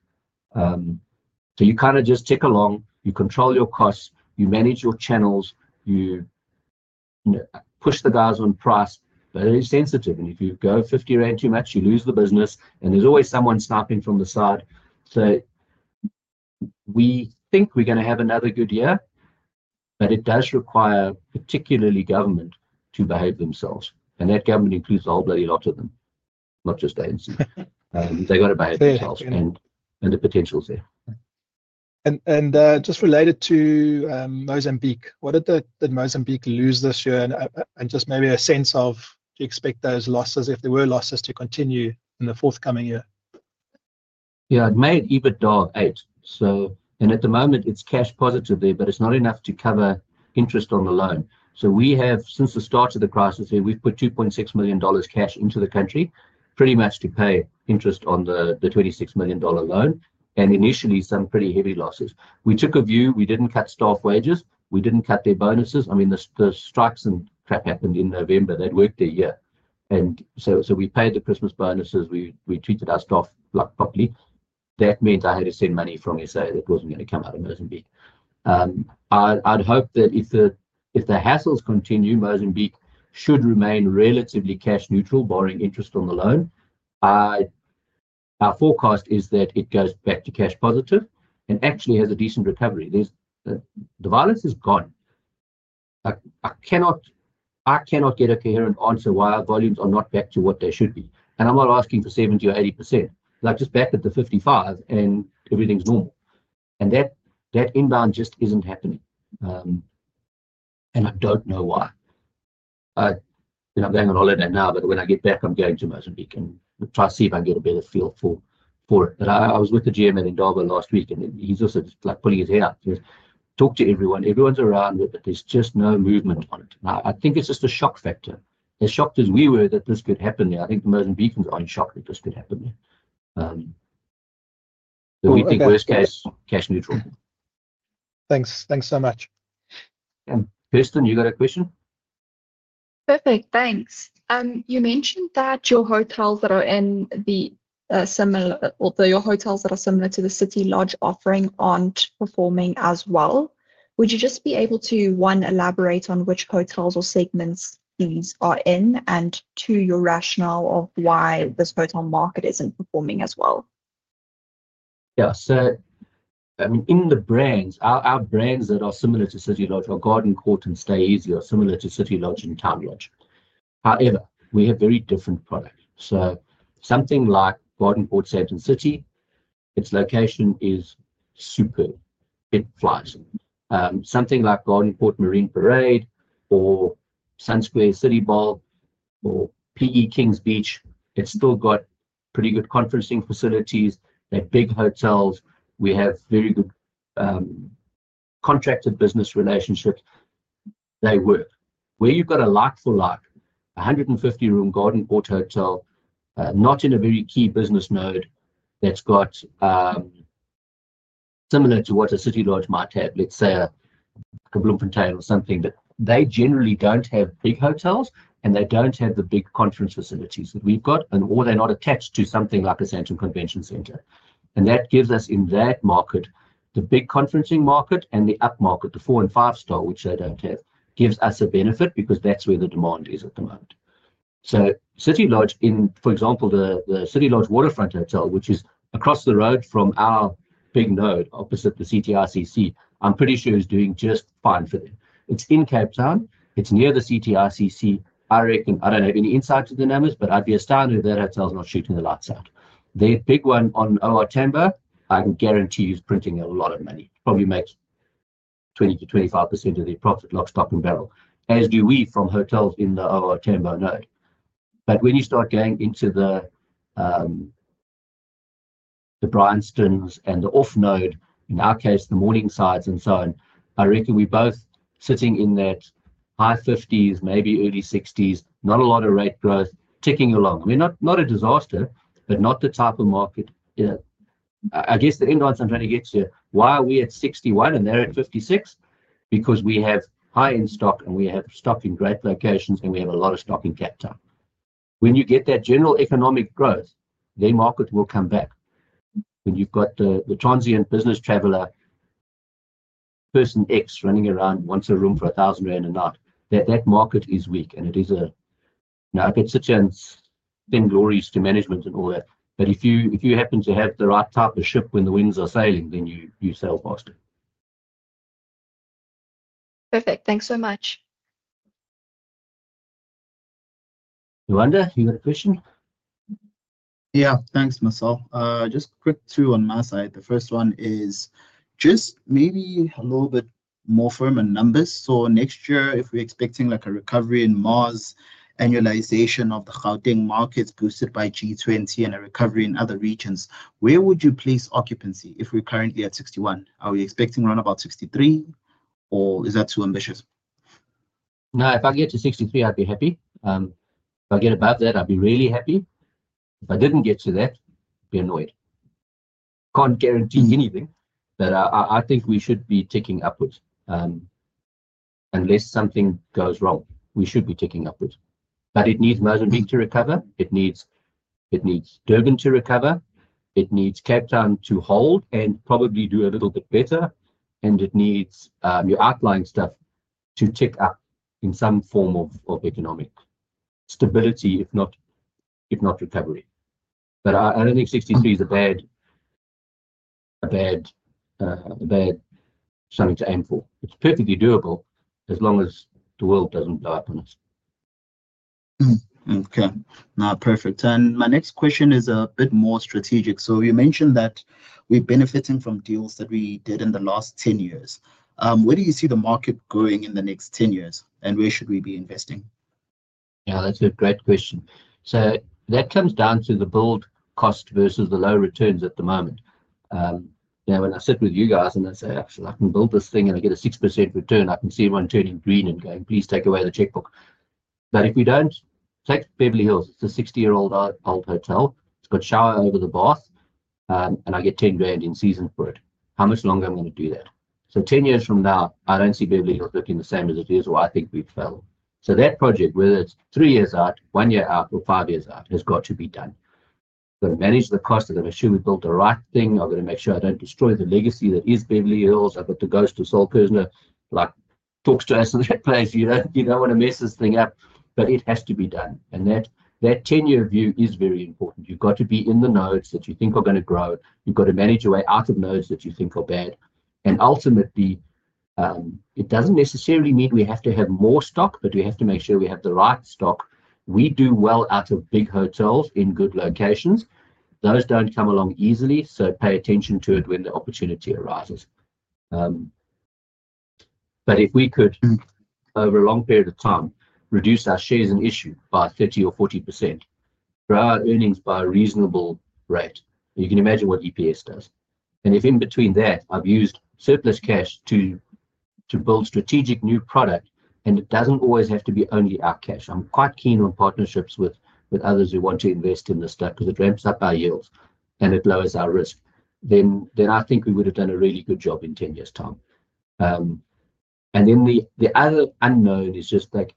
You kind of just tick along. You control your costs. You manage your channels. You push the guys on price, but it is sensitive. If you go 50 rand too much, you lose the business, and there's always someone snapping from the side. We think we're going to have another good year, but it does require particularly government to behave themselves. That government includes the old bloody lot of them, not just ANC. They've got to behave themselves, and the potential's there. Related to Mozambique, what did Mozambique lose this year? Just maybe a sense of do you expect those losses, if there were losses, to continue in the forthcoming year? Yeah, it made EBITDA 8. At the moment, it's cash positive there, but it's not enough to cover interest on the loan. Since the start of the crisis here, we've put $2.6 million cash into the country, pretty much to pay interest on the $26 million loan, and initially some pretty heavy losses. We took a view. We didn't cut staff wages. We didn't cut their bonuses. I mean, the strikes and crap happened in November. They'd worked their year. We paid the Christmas bonuses. We treated our staff properly. That meant I had to send money from South Africa that wasn't going to come out of Mozambique. I'd hope that if the hassles continue, Mozambique should remain relatively cash neutral, borrowing interest on the loan. Our forecast is that it goes back to cash positive and actually has a decent recovery. The violence is gone. I cannot get a coherent answer why our volumes are not back to what they should be. I'm not asking for 70% or 80%. They're just back at the 55%, and everything's normal. That inbound just isn't happening. I don't know why. I'm going on holiday now, but when I get back, I'm going to Mozambique and try to see if I can get a better feel for it. I was with the GM at [Ndongo] last week, and he's also just like pulling his hair out. He says, "Talk to everyone. Everyone's around it, but there's just no movement on it." I think it's just a shock factor. As shocked as we were that this could happen there, I think the Mozambicans are in shock that this could happen there. We think worst case, cash neutral. Thanks. Thanks so much. Kirsten, you got a question? Perfect. Thanks. You mentioned that your hotels that are similar to the City Lodge offering aren't performing as well. Would you just be able to, one, elaborate on which hotels or segments these are in, and two, your rationale of why this hotel market isn't performing as well? Yeah. So I mean, in the brands, our brands that are similar to City Lodge or Garden Court and Stay Easy are similar to City Lodge and Town Lodge. However, we have very different products. So something like Garden Court Sandton City, its location is superb. It flies. Something like Garden Court Marine Parade or Sun Square City Ball or PE Kings Beach, it's still got pretty good conferencing facilities. They're big hotels. We have very good contracted business relationships. They work. Where you've got a like-for-like, 150-room Garden Court hotel, not in a very key business node that's got similar to what a City Lodge might have, let's say, a Bloemfontein or something, but they generally don't have big hotels, and they don't have the big conference facilities that we've got, and all they're not attached to something like a Sandton Convention Center. That gives us in that market, the big conferencing market and the up market, the four and five star, which they do not have, gives us a benefit because that is where the demand is at the moment. City Lodge, for example, the City Lodge Waterfront Hotel, which is across the road from our big node opposite the CTICC, I am pretty sure is doing just fine for them. It is in Cape Town. It is near the CTICC. I reckon I do not have any insight to the numbers, but I would be astounded if that hotel is not shooting the lights out. Their big one on O.R. Tambo, I can guarantee you is printing a lot of money. Probably makes 20%-25% of their profit, lock, stock, and barrel, as do we from hotels in the O.R. Tambo node. When you start going into the Bryanstons and the off node, in our case, the Morningsides and so on, I reckon we're both sitting in that high 50s, maybe early 60s, not a lot of rate growth, ticking along. I mean, not a disaster, but not the type of market. I guess the end lines I'm trying to get to, why are we at 61% and they're at 56%? Because we have high-end stock and we have stock in great locations and we have a lot of stock in Cape Town. When you get that general economic growth, their market will come back. When you've got the transient business traveler person X running around, wants a room for GBP 1,000 a night, that market is weak. It is a now, I get such thing glories to management and all that, but if you happen to have the right type of ship when the winds are sailing, then you sell faster. Perfect. Thanks so much. [Yolanda], you got a question? Yeah. Thanks, Marcel. Just quick two on my side. The first one is just maybe a little bit more firm and numbers. So next year, if we're expecting a recovery in Mars, annualization of the housing markets boosted by G20 and a recovery in other regions, where would you place occupancy if we're currently at 61%? Are we expecting around about 63%, or is that too ambitious? No, if I get to 63%, I'd be happy. If I get above that, I'd be really happy. If I didn't get to that, I'd be annoyed. Can't guarantee anything, but I think we should be ticking upwards. Unless something goes wrong, we should be ticking upwards. It needs Mozambique to recover. It needs Durban to recover. It needs Cape Town to hold and probably do a little bit better. It needs your outlying stuff to tick up in some form of economic stability, if not recovery. I don't think 63% is a bad something to aim for. It's perfectly doable as long as the world doesn't blow up on us. Okay. No, perfect. My next question is a bit more strategic. You mentioned that we're benefiting from deals that we did in the last 10 years. Where do you see the market going in the next 10 years, and where should we be investing? Yeah, that's a great question. That comes down to the build cost versus the low returns at the moment. When I sit with you guys and I say, "Actually, I can build this thing and I get a 6% return," I can see everyone turning green and going, "Please take away the checkbook." If we do not, take Beverly Hills. It is a 60-year-old hotel. It has got shower over the bath, and I get 10 in season for it. How much longer am I going to do that? Ten years from now, I do not see Beverly Hills looking the same as it is, or I think we have failed. That project, whether it is three years out, one year out, or five years out, has got to be done. I have got to manage the cost. I have got to assure we built the right thing. I've got to make sure I don't destroy the legacy that is Beverly Hills. I've got to go to Saul Kirsner talks to us in that place. You don't want to mess this thing up, but it has to be done. That 10-year view is very important. You've got to be in the nodes that you think are going to grow. You've got to manage your way out of nodes that you think are bad. Ultimately, it doesn't necessarily mean we have to have more stock, but we have to make sure we have the right stock. We do well out of big hotels in good locations. Those don't come along easily, so pay attention to it when the opportunity arises. If we could, over a long period of time, reduce our shares in issue by 30% or 40%, grow our earnings by a reasonable rate, you can imagine what EPS does. If in between that, I have used surplus cash to build strategic new product, and it does not always have to be only our cash. I am quite keen on partnerships with others who want to invest in this stuff because it ramps up our yields and it lowers our risk. I think we would have done a really good job in 10 years' time. The other unknown is just like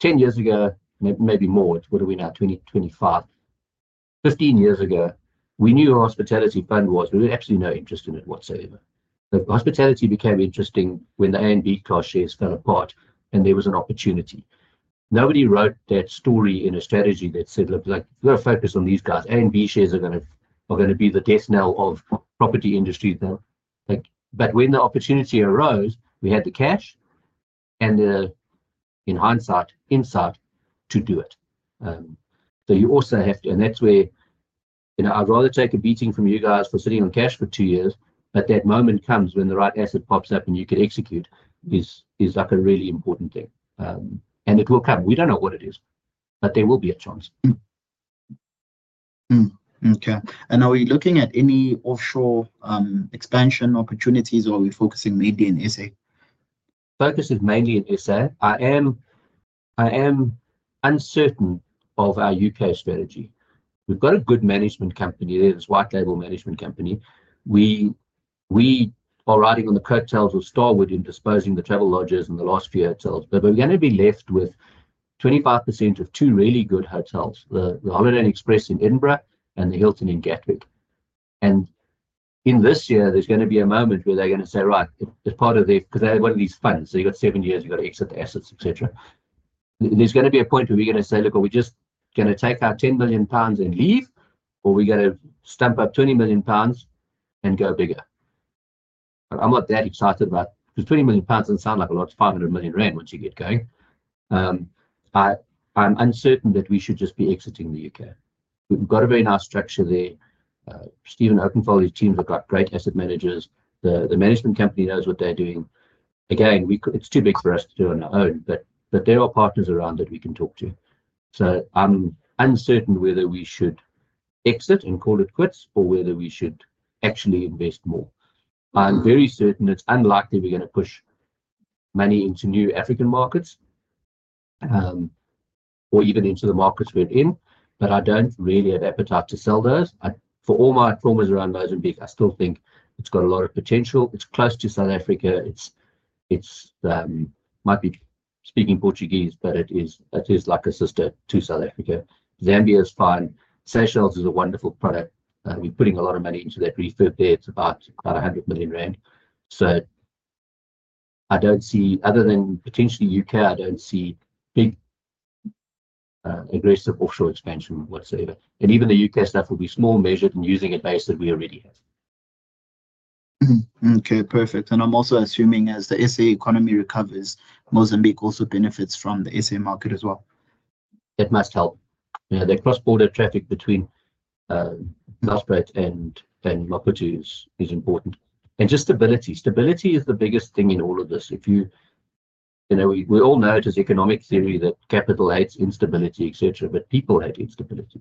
10 years ago, maybe more, what are we now, 2025, 15 years ago, we knew what hospitality fund was. We had absolutely no interest in it whatsoever. Hospitality became interesting when the ANB class shares fell apart and there was an opportunity. Nobody wrote that story in a strategy that said, "Look, we've got to focus on these guys. ANB shares are going to be the death knell of property industry." When the opportunity arose, we had the cash and the, in hindsight, insight to do it. You also have to, and that's where I'd rather take a beating from you guys for sitting on cash for two years, but that moment comes when the right asset pops up and you can execute is a really important thing. It will come. We don't know what it is, but there will be a chance. Okay. Are we looking at any offshore expansion opportunities, or are we focusing mainly in SA? Focus is mainly in SA. I am uncertain of our U.K. strategy. We've got a good management company there. It's a white-label management company. We are riding on the coattails of Starwood in disposing the Travelodge properties and the last few hotels. We're going to be left with 25% of two really good hotels, the Holiday Inn Express in Edinburgh and the Hilton in Gatwick. In this year, there's going to be a moment where they're going to say, "Right, it's part of their," because they have one of these funds. You have seven years. You have to exit the assets, etc. There's going to be a point where we're going to say, "Look, are we just going to take our 10 million pounds and leave, or are we going to stump up 20 million pounds and go bigger?" I'm not that excited about it because 20 million pounds doesn't sound like a lot. It's GBP 500 million once you get going. I'm uncertain that we should just be exiting the U.K. We've got a very nice structure there. Stephen Oakenfold, his team have got great asset managers. The management company knows what they're doing. Again, it's too big for us to do on our own, but there are partners around that we can talk to. I'm uncertain whether we should exit and call it quits or whether we should actually invest more. I'm very certain it's unlikely we're going to push money into new African markets or even into the markets we're in, but I don't really have appetite to sell those. For all my traumas around Mozambique, I still think it's got a lot of potential. It's close to South Africa. It might be speaking Portuguese, but it is like a sister to South Africa. Zambia is fine. Seychelles is a wonderful product. We're putting a lot of money into that refurb there. It's about GBP 100 million. I don't see, other than potentially U.K., I don't see big aggressive offshore expansion whatsoever. Even the U.K. stuff will be small measured and using advice that we already have. Okay. Perfect. I'm also assuming as the SA economy recovers, Mozambique also benefits from the SA market as well. It must help. The cross-border traffic between Lubumbashi and Maputo is important. Just stability. Stability is the biggest thing in all of this. We all know it is economic theory that capital hates instability, etc., but people hate instability.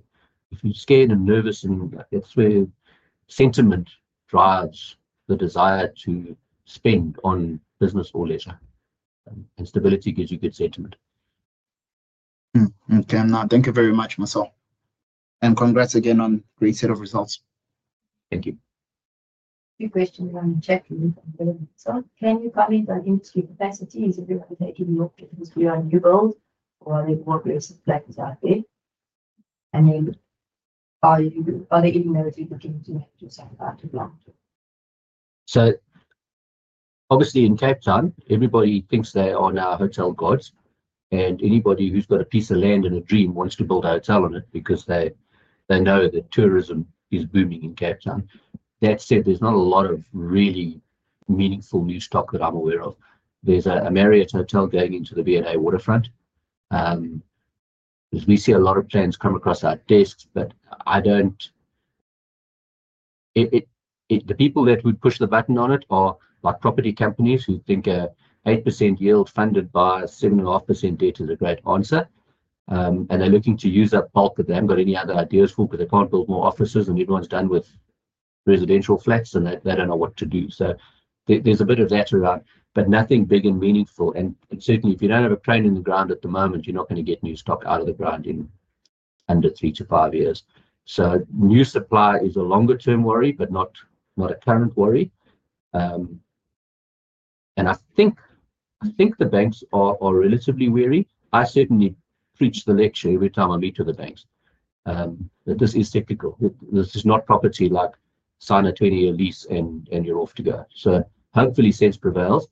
If you're scared and nervous, that's where sentiment drives the desire to spend on business or leisure. Stability gives you good sentiment. Okay. Thank you very much, Marcel. And congrats again on great set of results. Thank you. Two questions on checking. Can you comment on industry capacity? Is everyone taking the opportunity on your build, or are there more great suppliers out there? Are there any nodes you're looking to manage yourself out of London? Obviously in Cape Town, everybody thinks they're on our hotel gods. And anybody who's got a piece of land and a dream wants to build a hotel on it because they know that tourism is booming in Cape Town. That said, there's not a lot of really meaningful new stock that I'm aware of. There's a Marriott hotel going into the V&A Waterfront. We see a lot of plans come across our desks, but the people that would push the button on it are property companies who think an 8% yield funded by 7.5% debt is a great answer. They're looking to use that bulk that they haven't got any other ideas for because they can't build more offices and everyone's done with residential flats and they don't know what to do. There's a bit of that around, but nothing big and meaningful. If you do not have a crane in the ground at the moment, you are not going to get new stock out of the ground in under three to five years. New supply is a longer-term worry, but not a current worry. I think the banks are relatively wary. I certainly preach the lecture every time I meet with the banks that this is technical. This is not property like sign a 20-year lease and you are off to go. Hopefully sense prevails.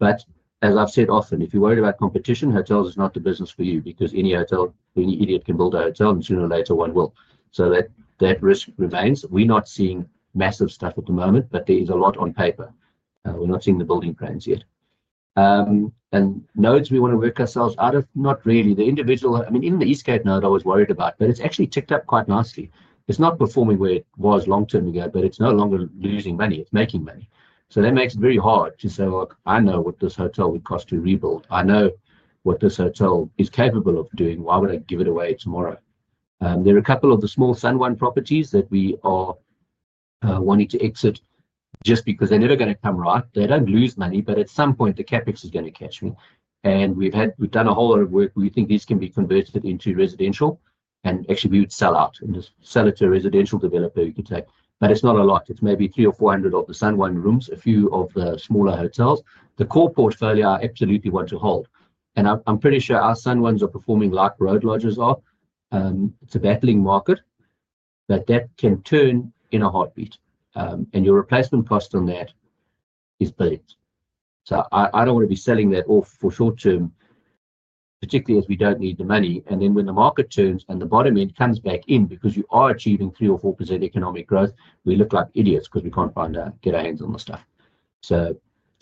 As I have said often, if you are worried about competition, hotels are not the business for you because any hotel, any idiot can build a hotel and sooner or later one will. That risk remains. We are not seeing massive stuff at the moment, but there is a lot on paper. We are not seeing the building plans yet. Nodes we want to work ourselves out of, not really. The individual, I mean, even the Eastgate node I was worried about, but it's actually ticked up quite nicely. It's not performing where it was long term ago, but it's no longer losing money. It's making money. That makes it very hard to say, "Look, I know what this hotel would cost to rebuild. I know what this hotel is capable of doing. Why would I give it away tomorrow?" There are a couple of the small SUN1 properties that we are wanting to exit just because they're never going to come right. They don't lose money, but at some point, the CapEx is going to catch me. We've done a whole lot of work. We think these can be converted into residential, and actually, we would sell out and sell it to a residential developer you could take. It's not a lot. It's maybe 300 or 400 of the SUN1 rooms, a few of the smaller hotels. The core portfolio I absolutely want to hold. I'm pretty sure our SUN1s are performing like Road Lodges are. It's a battling market, but that can turn in a heartbeat. Your replacement cost on that is billions. I don't want to be selling that off for short term, particularly as we don't need the money. When the market turns and the bottom end comes back in because you are achieving 3% or 4% economic growth, we look like idiots because we can't find or get our hands on the stuff.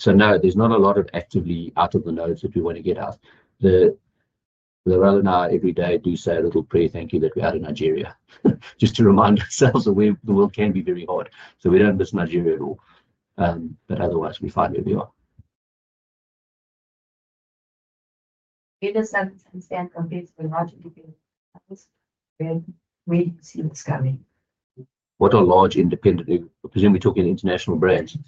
No, there's not a lot of actively out of the nodes that we want to get out. The Rowena every day do say a little prayer, thank you, that we're out of Nigeria just to remind ourselves that the world can be very hard. We don't miss Nigeria at all. Otherwise, we find where we are. Where does that stand compared to the large independent companies? Where do you see this coming? What are large independent? I presume we're talking international brands.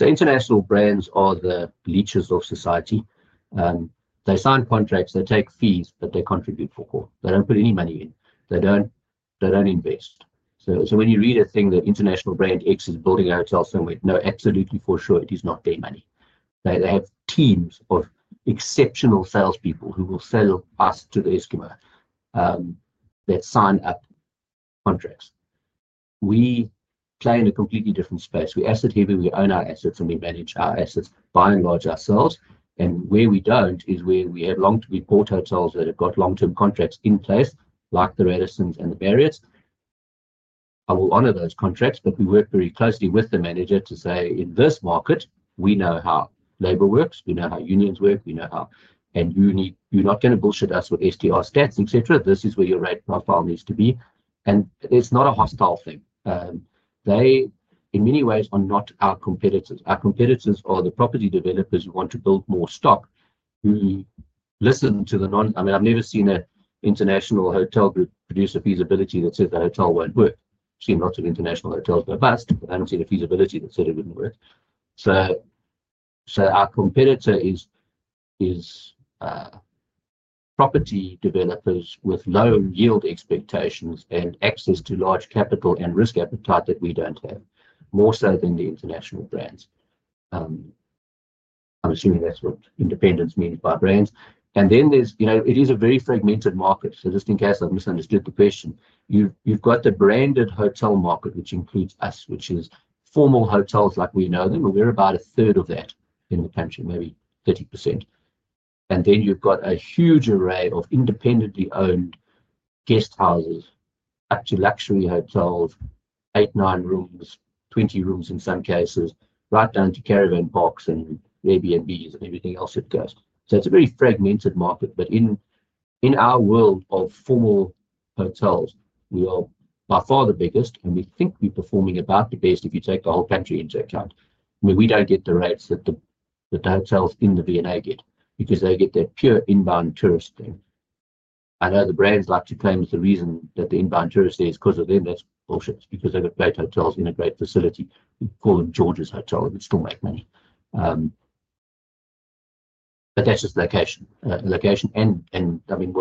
International brands are the leeches of society. They sign contracts. They take fees, but they contribute far more. They don't put any money in. They don't invest. When you read a thing that International Brand X is building a hotel somewhere, no, absolutely for sure, it is not their money. They have teams of exceptional salespeople who will sell us to the Eskimo that sign up contracts. We play in a completely different space. We're asset heavy. We own our assets, and we manage our assets by and large ourselves. Where we don't is where we have long-term, we bought hotels that have got long-term contracts in place, like the Radissons and the Marriotts. I will honor those contracts, but we work very closely with the manager to say, "In this market, we know how labor works. We know how unions work. We know how. And you're not going to bullshit us with STR stats, etc. This is where your rate profile needs to be. It is not a hostile thing. They, in many ways, are not our competitors. Our competitors are the property developers who want to build more stock, who listen to the non—I mean, I've never seen an international hotel group produce a feasibility that says the hotel will not work. I've seen lots of international hotels go bust, but I have not seen a feasibility that said it would not work. Our competitor is property developers with low yield expectations and access to large capital and risk appetite that we do not have, more so than the international brands. I am assuming that is what independence means by brands. It is a very fragmented market. Just in case I've misunderstood the question, you've got the branded hotel market, which includes us, which is formal hotels like we know them. We're about a third of that in the country, maybe 30%. Then you've got a huge array of independently owned guesthouses, up to luxury hotels, eight, nine rooms, 20 rooms in some cases, right down to caravan parks and Airbnbs and everything else it goes. It's a very fragmented market. In our world of formal hotels, we are by far the biggest, and we think we're performing about the best if you take the whole country into account. I mean, we don't get the rates that the hotels in the V&A get because they get their pure inbound tourist thing. I know the brands like to claim it's the reason that the inbound tourist there is because of them. That's bullshit. It's because they've got great hotels in a great facility. We call them George's Hotel. It would still make money. That is just location. I mean,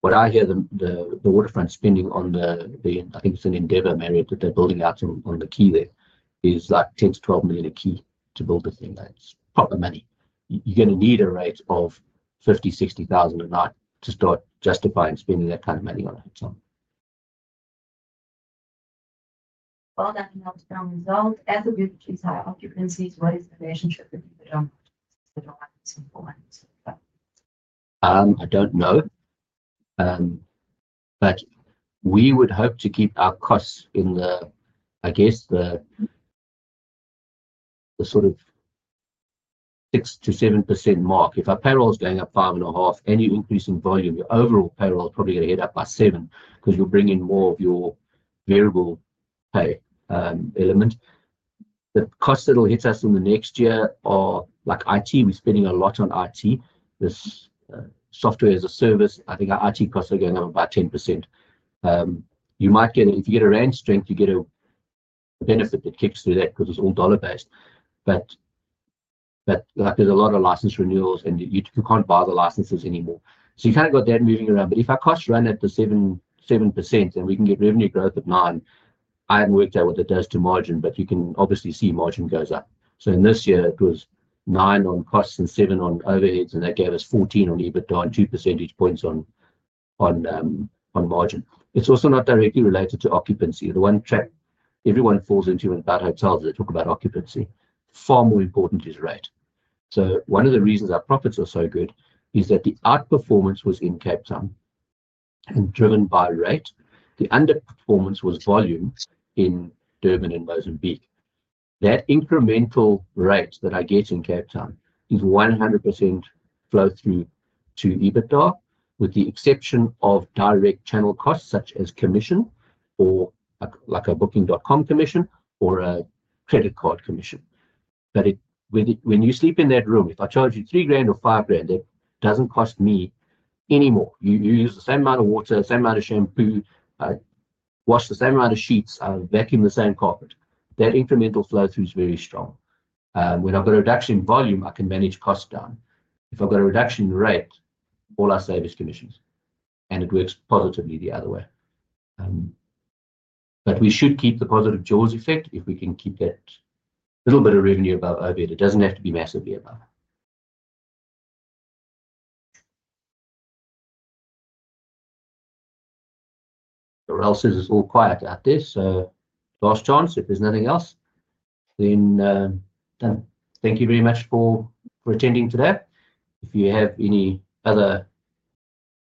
what I hear, the Waterfront spending on the—I think it's an Endeavour Marriott that they're building out on the quay there is like $10 million-$12 million a quay to build the thing. That is proper money. You're going to need a rate of $50,000-$60,000 a night to start justifying spending that kind of money on a hotel. Are that the outbound result? As a group, is high occupancies? What is the relationship with the other ones? I don't know. But we would hope to keep our costs in the, I guess, the sort of 6%-7% mark. If our payroll's going up 5.5%, any increase in volume, your overall payroll is probably going to head up by 7% because you're bringing more of your variable pay element. The costs that'll hit us in the next year are like IT. We're spending a lot on IT. This software as a service, I think our IT costs are going up about 10%. You might get a—if you get a rand strength, you get a benefit that kicks through that because it's all dollar-based. But there's a lot of license renewals, and you can't buy the licenses anymore. So you kind of got that moving around. If our costs run at 7% and we can get revenue growth at 9%, I haven't worked out what that does to margin, but you can obviously see margin goes up. In this year, it was 9% on costs and 7% on overheads, and that gave us 14% on EBITDA and 2 percentage points on margin. It is also not directly related to occupancy. The one trap everyone falls into about hotels is they talk about occupancy. Far more important is rate. One of the reasons our profits are so good is that the outperformance was in Cape Town and driven by rate. The underperformance was volume in Durban and Mozambique. That incremental rate that I get in Cape Town is 100% flow-through to EBITDA with the exception of direct channel costs such as commission or like a booking.com commission or a credit card commission. When you sleep in that room, if I charge you 3,000 or 5,000, it does not cost me any more. You use the same amount of water, same amount of shampoo, wash the same amount of sheets, vacuum the same carpet. That incremental flow-through is very strong. When I have a reduction in volume, I can manage costs down. If I have a reduction in rate, all I save is commissions. It works positively the other way. We should keep the positive Jaws effect if we can keep that little bit of revenue above overhead. It does not have to be massively above. It is all quiet out there. Last chance. If there is nothing else, then done. Thank you very much for attending today. If you have any other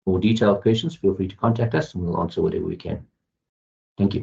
more detailed questions, feel free to contact us, and we will answer whatever we can. Thank you.